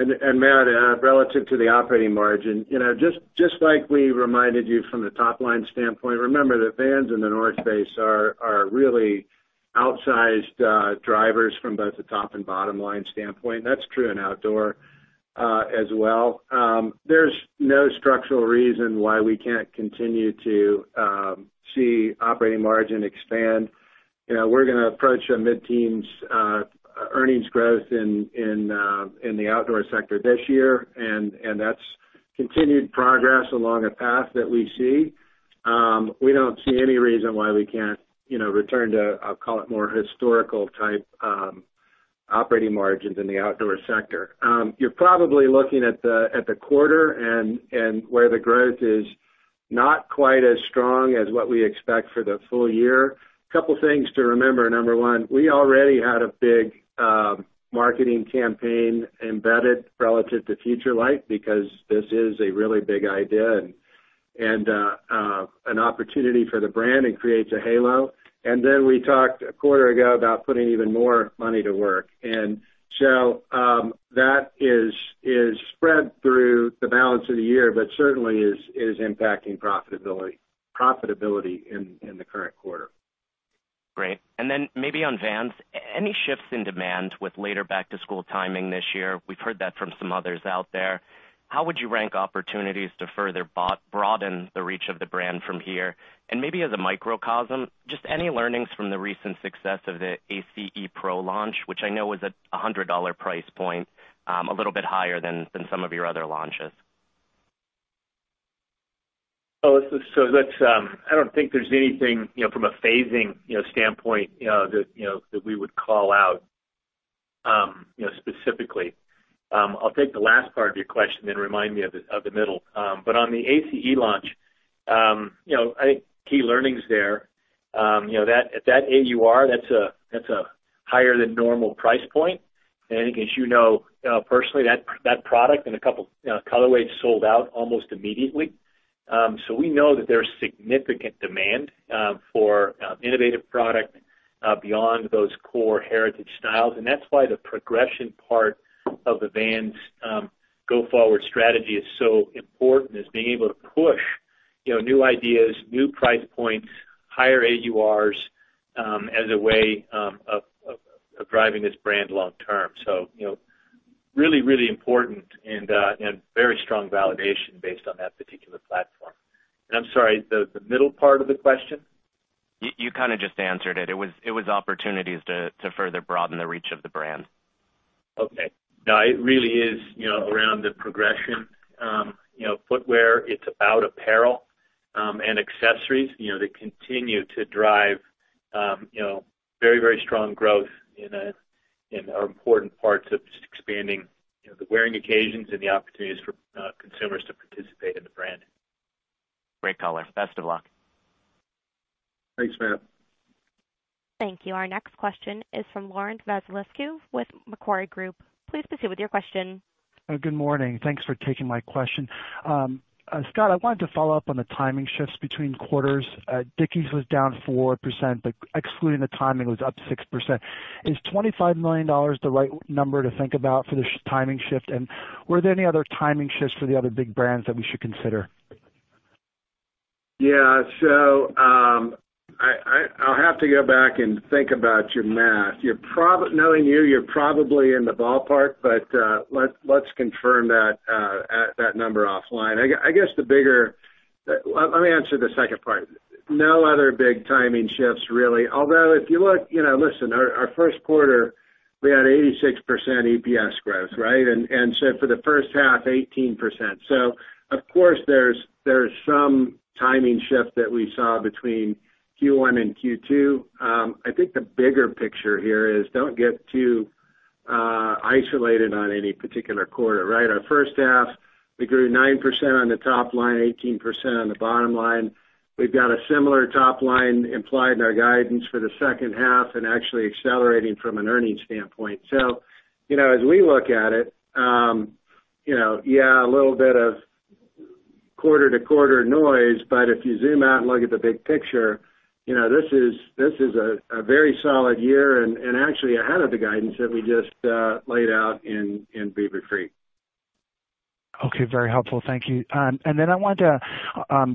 Matthew, relative to the operating margin. Just like we reminded you from the top-line standpoint, remember that Vans and The North Face are really outsized drivers from both the top and bottom-line standpoint. That's true in outdoor as well. There's no structural reason why we can't continue to see operating margin expand. We're going to approach a mid-teens earnings growth in the outdoor sector this year, that's continued progress along a path that we see. We don't see any reason why we can't return to, I'll call it more historical type operating margins in the outdoor sector. You're probably looking at the quarter where the growth is not quite as strong as what we expect for the full year. Couple things to remember. Number one, we already had a big marketing campaign embedded relative to FUTURELIGHT because this is a really big idea and an opportunity for the brand and creates a halo. We talked a quarter ago about putting even more money to work. That is spread through the balance of the year, but certainly is impacting profitability in the current quarter. Great. Maybe on Vans. Any shifts in demand with later back-to-school timing this year? We've heard that from some others out there. How would you rank opportunities to further broaden the reach of the brand from here? Maybe as a microcosm, just any learnings from the recent success of the AVE Pro launch, which I know was at $100 price point, a little bit higher than some of your other launches. I don't think there's anything from a phasing standpoint that we would call out specifically. I'll take the last part of your question, then remind me of the middle. On the AVE launch, I think key learnings there. At that AUR, that's a higher than normal price point. As you know personally, that product and a couple colorways sold out almost immediately. We know that there's significant demand for innovative product beyond those core heritage styles, and that's why the progression part of the Vans go forward strategy is so important, is being able to push new ideas, new price points, higher AURs, as a way of driving this brand long term. Really, really important and very strong validation based on that particular platform. I'm sorry, the middle part of the question? You kind of just answered it. It was opportunities to further broaden the reach of the brand. No, it really is around the progression. Footwear, it's about apparel and accessories that continue to drive very, very strong growth in our important parts of just expanding the wearing occasions and the opportunities for consumers to participate in the brand. Great color. Best of luck. Thanks, Matt. Thank you. Our next question is from Laurent Vasilescu with Macquarie Group. Please proceed with your question. Good morning. Thanks for taking my question. Scott, I wanted to follow up on the timing shifts between quarters. Dickies was down 4%. Excluding the timing, it was up 6%. Is $25 million the right number to think about for the timing shift? Were there any other timing shifts for the other big brands that we should consider? Yeah. I'll have to go back and think about your math. Knowing you're probably in the ballpark, but let's confirm that number offline. Let me answer the second part. No other big timing shifts, really. Although, if you look, listen, our first quarter, we had 86% EPS growth, right? For the first half, 18%. Of course, there's some timing shift that we saw between Q1 and Q2. I think the bigger picture here is don't get too isolated on any particular quarter, right? Our first half, we grew 9% on the top line, 18% on the bottom line. We've got a similar top line implied in our guidance for the second half and actually accelerating from an earnings standpoint. As we look at it, yeah, a little bit of quarter-to-quarter noise, but if you zoom out and look at the big picture, this is a very solid year and actually ahead of the guidance that we just laid out in Beaver Creek. Okay. Very helpful. Thank you. I wanted to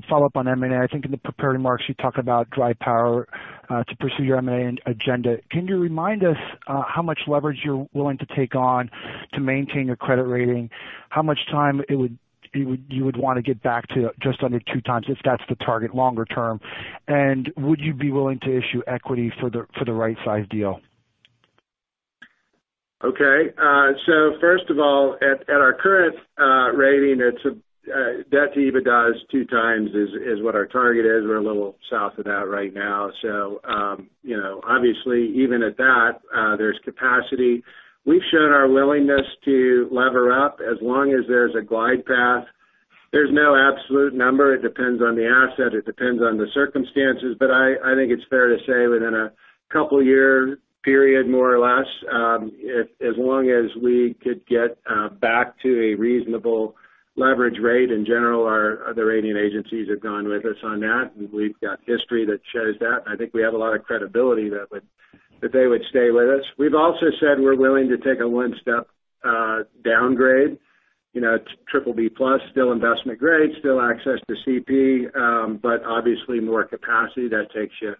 follow up on M&A. I think in the prepared remarks, you talked about dry power to pursue your M&A agenda. Can you remind us how much leverage you're willing to take on to maintain your credit rating? How much time you would want to get back to just under two times, if that's the target longer term, and would you be willing to issue equity for the right size deal? Okay. First of all, at our current rating, its debt to EBITDA is 2 times is what our target is. We're a little south of that right now. Obviously, even at that, there's capacity. We've shown our willingness to lever up as long as there's a glide path. There's no absolute number. It depends on the asset. It depends on the circumstances. I think it's fair to say within a couple of year period, more or less, as long as we could get back to a reasonable leverage rate in general, the rating agencies have gone with us on that, and we've got history that shows that, and I think we have a lot of credibility that they would stay with us. We've also said we're willing to take a one-step downgrade, BBB+, still investment grade, still access to CP, obviously more capacity that takes you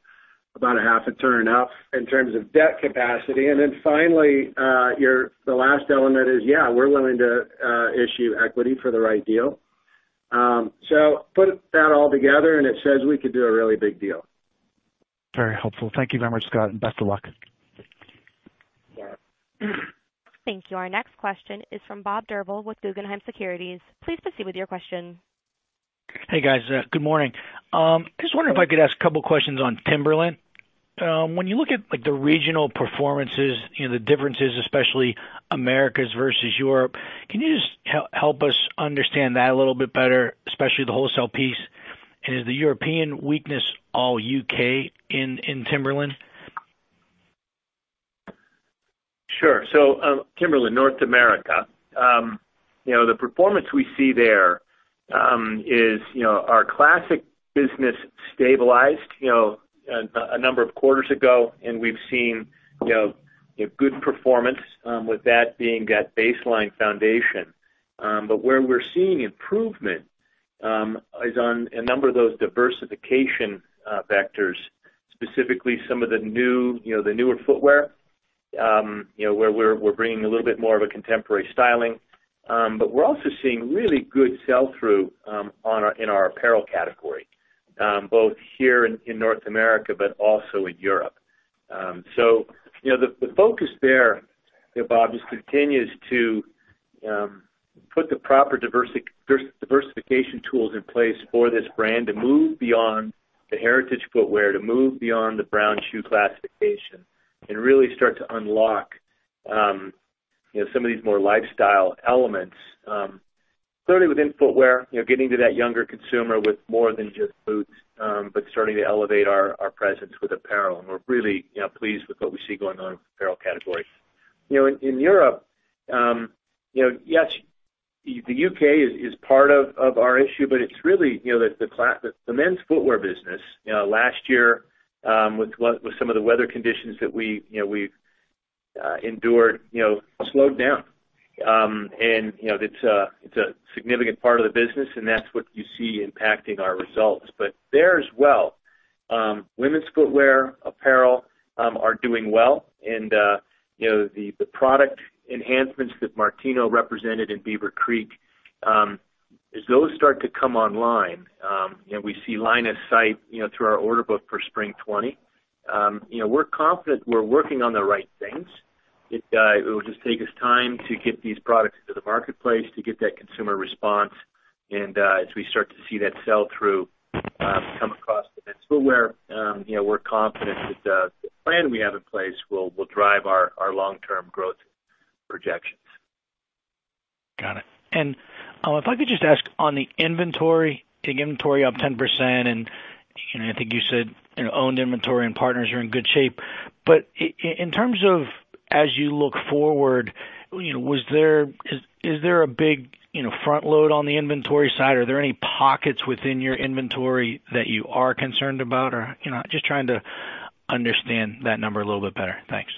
about a half a turn up in terms of debt capacity. Finally, the last element is, yeah, we're willing to issue equity for the right deal. Put that all together, and it says we could do a really big deal. Very helpful. Thank you very much, Scott, and best of luck. Thank you. Our next question is from Bob Drbul with Guggenheim Securities. Please proceed with your question. Hey, guys. Good morning. Just wondering if I could ask a couple of questions on Timberland. When you look at the regional performances, the differences, especially Americas versus Europe, can you just help us understand that a little bit better, especially the wholesale piece? Is the European weakness all U.K. in Timberland? Sure. Timberland North America. The performance we see there is our classic business stabilized a number of quarters ago, and we've seen good performance with that being that baseline foundation. But where we're seeing improvement is on a number of those diversification vectors, specifically some of the newer footwear where we're bringing a little bit more of a contemporary styling. But we're also seeing really good sell-through in our apparel category, both here in North America, but also in Europe. The focus there, Bob, just continues to put the proper diversification tools in place for this brand to move beyond the heritage footwear, to move beyond the brown shoe classification and really start to unlock some of these more lifestyle elements. Certainly within footwear, getting to that younger consumer with more than just boots, but starting to elevate our presence with apparel, and we're really pleased with what we see going on with apparel categories. In Europe, yes, the U.K. is part of our issue, it's really the men's footwear business. Last year, with some of the weather conditions that we've endured, slowed down. It's a significant part of the business, and that's what you see impacting our results. There as well, women's footwear, apparel are doing well. The product enhancements that Martino represented in Beaver Creek, as those start to come online, we see line of sight through our order book for Spring 2020. We're confident we're working on the right things. It will just take us time to get these products into the marketplace to get that consumer response. As we start to see that sell-through come across the men's footwear, we're confident that the plan we have in place will drive our long-term growth projections. Got it. If I could just ask on the inventory, take inventory up 10%, I think you said owned inventory and partners are in good shape. In terms of as you look forward, is there a big front load on the inventory side? Are there any pockets within your inventory that you are concerned about? Just trying to understand that number a little bit better. Thanks.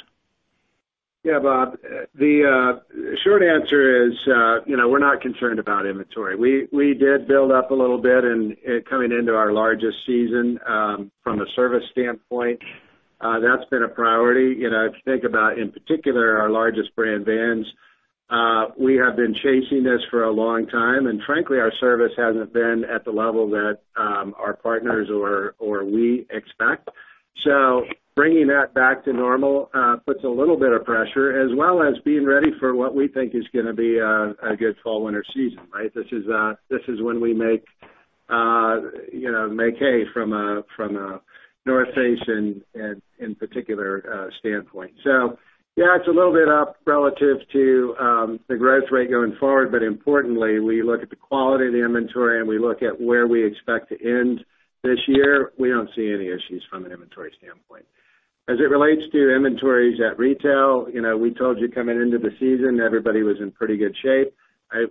Yeah, Bob. The short answer is we're not concerned about inventory. We did build up a little bit coming into our largest season from a service standpoint, that's been a priority. If you think about, in particular, our largest brand Vans. We have been chasing this for a long time. Frankly, our service hasn't been at the level that our partners or we expect. Bringing that back to normal puts a little bit of pressure as well as being ready for what we think is going to be a good fall/winter season. This is when we make hay from a North Face in particular standpoint. Yeah, it's a little bit up relative to the growth rate going forward. Importantly, we look at the quality of the inventory, and we look at where we expect to end this year. We don't see any issues from an inventory standpoint. As it relates to inventories at retail, we told you coming into the season, everybody was in pretty good shape.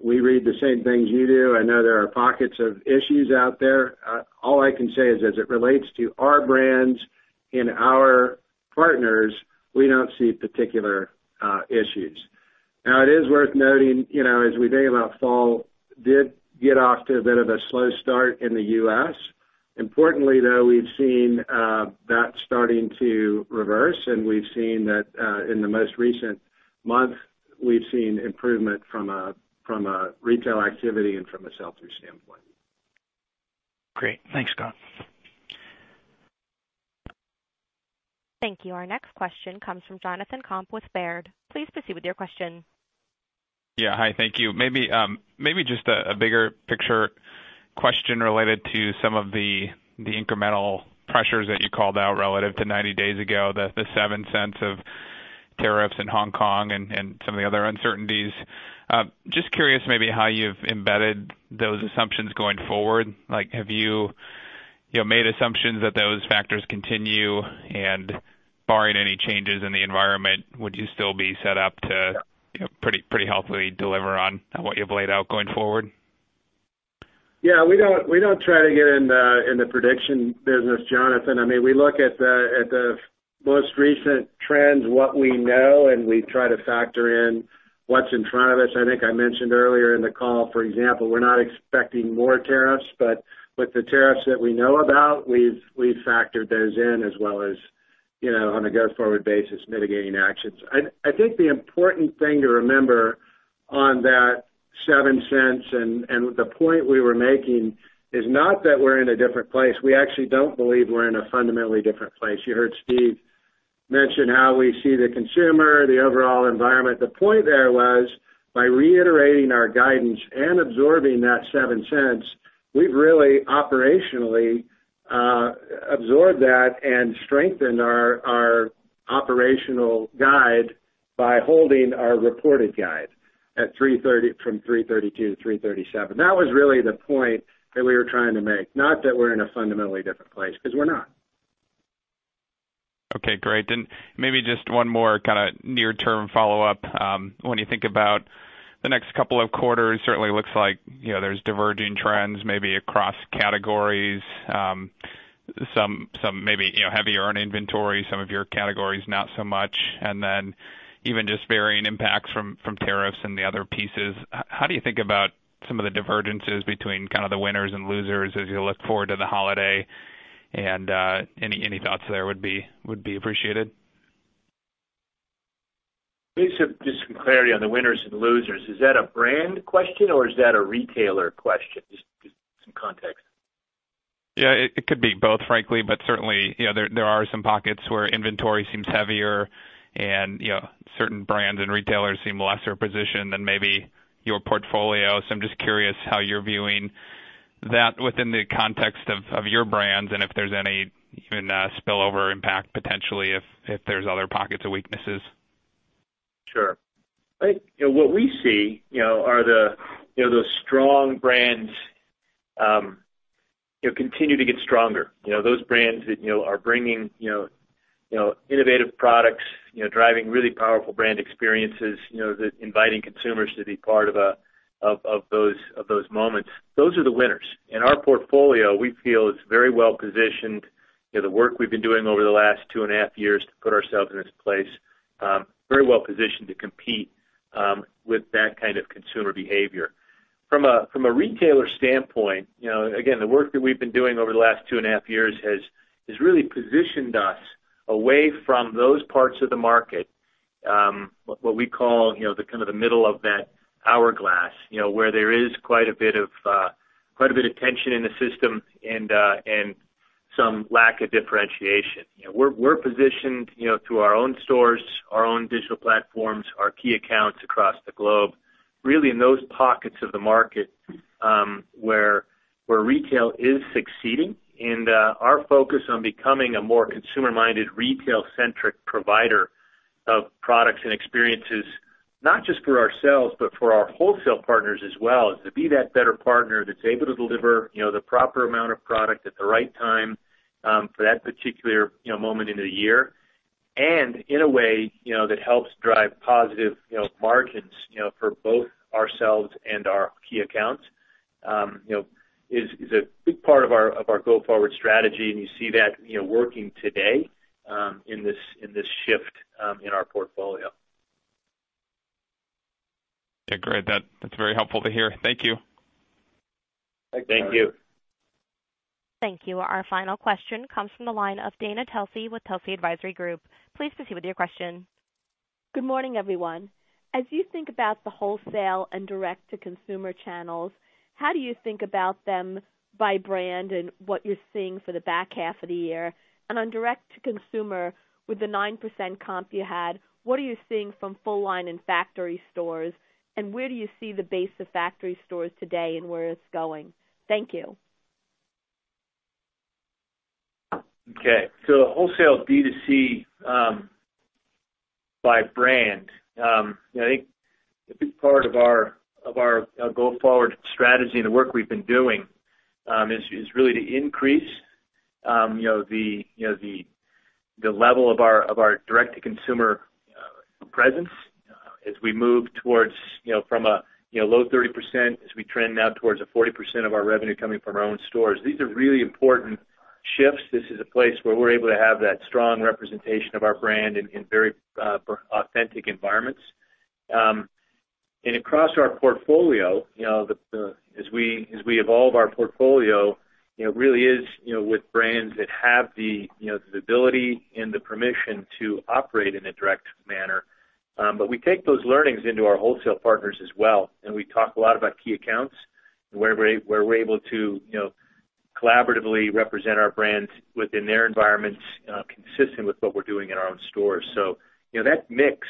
We read the same things you do. I know there are pockets of issues out there. All I can say is as it relates to our brands and our partners, we don't see particular issues. It is worth noting, as we think about fall, did get off to a bit of a slow start in the U.S. Importantly, though, we've seen that starting to reverse, and we've seen that in the most recent month, we've seen improvement from a retail activity and from a sell-through standpoint. Great. Thanks, Scott. Thank you. Our next question comes from Jonathan Komp with Baird. Please proceed with your question. Yeah. Hi, thank you. Maybe just a bigger picture question related to some of the incremental pressures that you called out relative to 90 days ago, the $0.07 of tariffs in Hong Kong and some of the other uncertainties. Just curious maybe how you've embedded those assumptions going forward. Have you made assumptions that those factors continue? Barring any changes in the environment, would you still be set up to pretty healthily deliver on what you've laid out going forward? Yeah, we don't try to get in the prediction business, Jonathan. We look at the most recent trends, what we know, and we try to factor in what's in front of us. I think I mentioned earlier in the call, for example, we're not expecting more tariffs, but with the tariffs that we know about, we've factored those in as well as on a go-forward basis, mitigating actions. I think the important thing to remember on that $0.07 and the point we were making is not that we're in a different place. We actually don't believe we're in a fundamentally different place. You heard Steve mention how we see the consumer, the overall environment. The point there was by reiterating our guidance and absorbing that $0.07, we've really operationally absorbed that and strengthened our operational guide by holding our reported guide from $3.32 to $3.37. That was really the point that we were trying to make, not that we're in a fundamentally different place, because we're not. Okay, great. Maybe just one more near term follow-up. When you think about the next couple of quarters, certainly looks like there's diverging trends, maybe across categories. Some maybe heavier on inventory, some of your categories, not so much. Even just varying impacts from tariffs and the other pieces. How do you think about some of the divergences between the winners and losers as you look forward to the holiday? Any thoughts there would be appreciated. Just some clarity on the winners and losers. Is that a brand question or is that a retailer question? Just some context. Yeah, it could be both, frankly, but certainly, there are some pockets where inventory seems heavier and certain brands and retailers seem lesser positioned than maybe your portfolio. I'm just curious how you're viewing that within the context of your brands and if there's any even spillover impact, potentially, if there's other pockets of weaknesses. Sure. What we see are those strong brands continue to get stronger. Those brands that are bringing innovative products, driving really powerful brand experiences, inviting consumers to be part of those moments, those are the winners. In our portfolio, we feel it's very well positioned, the work we've been doing over the last two and a half years to put ourselves in this place, very well positioned to compete with that kind of consumer behavior. From a retailer standpoint, again, the work that we've been doing over the last two and a half years has really positioned us away from those parts of the market, what we call the middle of that hourglass where there is quite a bit of tension in the system and some lack of differentiation. We're positioned through our own stores, our own digital platforms, our key accounts across the globe, really in those pockets of the market where retail is succeeding and our focus on becoming a more consumer-minded, retail-centric provider of products and experiences, not just for ourselves, but for our wholesale partners as well, is to be that better partner that's able to deliver the proper amount of product at the right time for that particular moment in the year. In a way that helps drive positive margins for both ourselves and our key accounts is a big part of our go-forward strategy, and you see that working today in this shift in our portfolio. Yeah, great. That's very helpful to hear. Thank you. Thank you. Thank you. Our final question comes from the line of Dana Telsey with Telsey Advisory Group. Please proceed with your question. Good morning, everyone. As you think about the wholesale and direct-to-consumer channels, how do you think about them by brand and what you're seeing for the back half of the year? On direct-to-consumer, with the 9% comp you had, what are you seeing from full line and factory stores? Where do you see the base of factory stores today and where it's going? Thank you. Okay. Wholesale BTC by brand. I think a big part of our go-forward strategy and the work we've been doing is really to increase the level of our direct-to-consumer presence as we move from a low 30%, as we trend now towards a 40% of our revenue coming from our own stores. These are really important shifts. This is a place where we're able to have that strong representation of our brand in very authentic environments. Across our portfolio, as we evolve our portfolio, it really is with brands that have the ability and the permission to operate in a direct manner. We take those learnings into our wholesale partners as well, and we talk a lot about key accounts and where we're able to collaboratively represent our brands within their environments, consistent with what we're doing in our own stores. That mix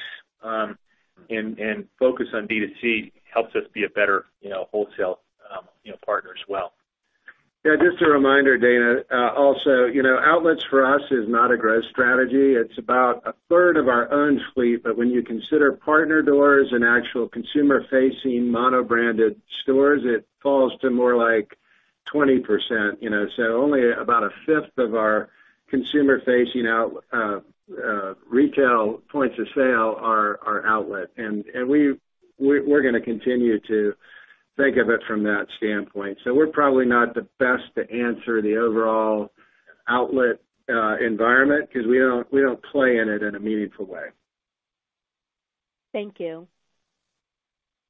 and focus on D2C helps us be a better wholesale partner as well. Yeah, just a reminder, Dana, also, outlets for us is not a growth strategy. It's about a third of our own fleet, but when you consider partner doors and actual consumer-facing mono-branded stores, it falls to more like 20%. Only about a fifth of our consumer-facing retail points of sale are outlet. We're going to continue to think of it from that standpoint. We're probably not the best to answer the overall outlet environment because we don't play in it in a meaningful way. Thank you.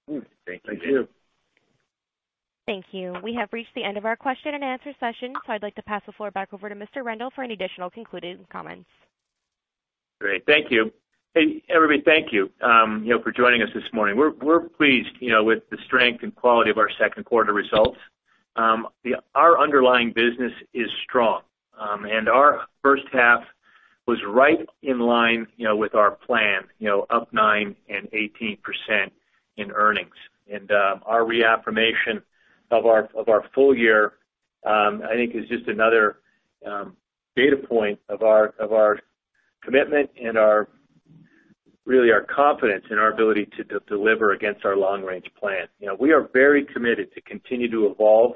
Thank you. Thank you. Thank you. We have reached the end of our question-and-answer session. I'd like to pass the floor back over to Mr. Rendle for any additional concluding comments. Great. Thank you. Hey, everybody, thank you for joining us this morning. We're pleased with the strength and quality of our second quarter results. Our underlying business is strong. Our first half was right in line with our plan, up nine and 18% in earnings. Our reaffirmation of our full year, I think, is just another data point of our commitment and really our confidence in our ability to deliver against our long-range plan. We are very committed to continue to evolve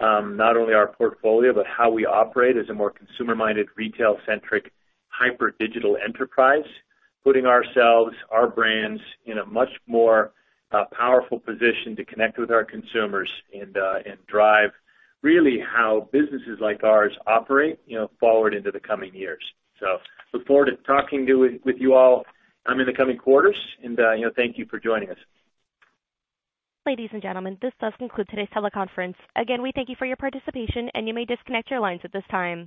not only our portfolio, but how we operate as a more consumer-minded, retail-centric, hyper digital enterprise, putting ourselves, our brands, in a much more powerful position to connect with our consumers and drive really how businesses like ours operate forward into the coming years. Look forward to talking with you all in the coming quarters, and thank you for joining us. Ladies and gentlemen, this does conclude today's teleconference. Again, we thank you for your participation, and you may disconnect your lines at this time.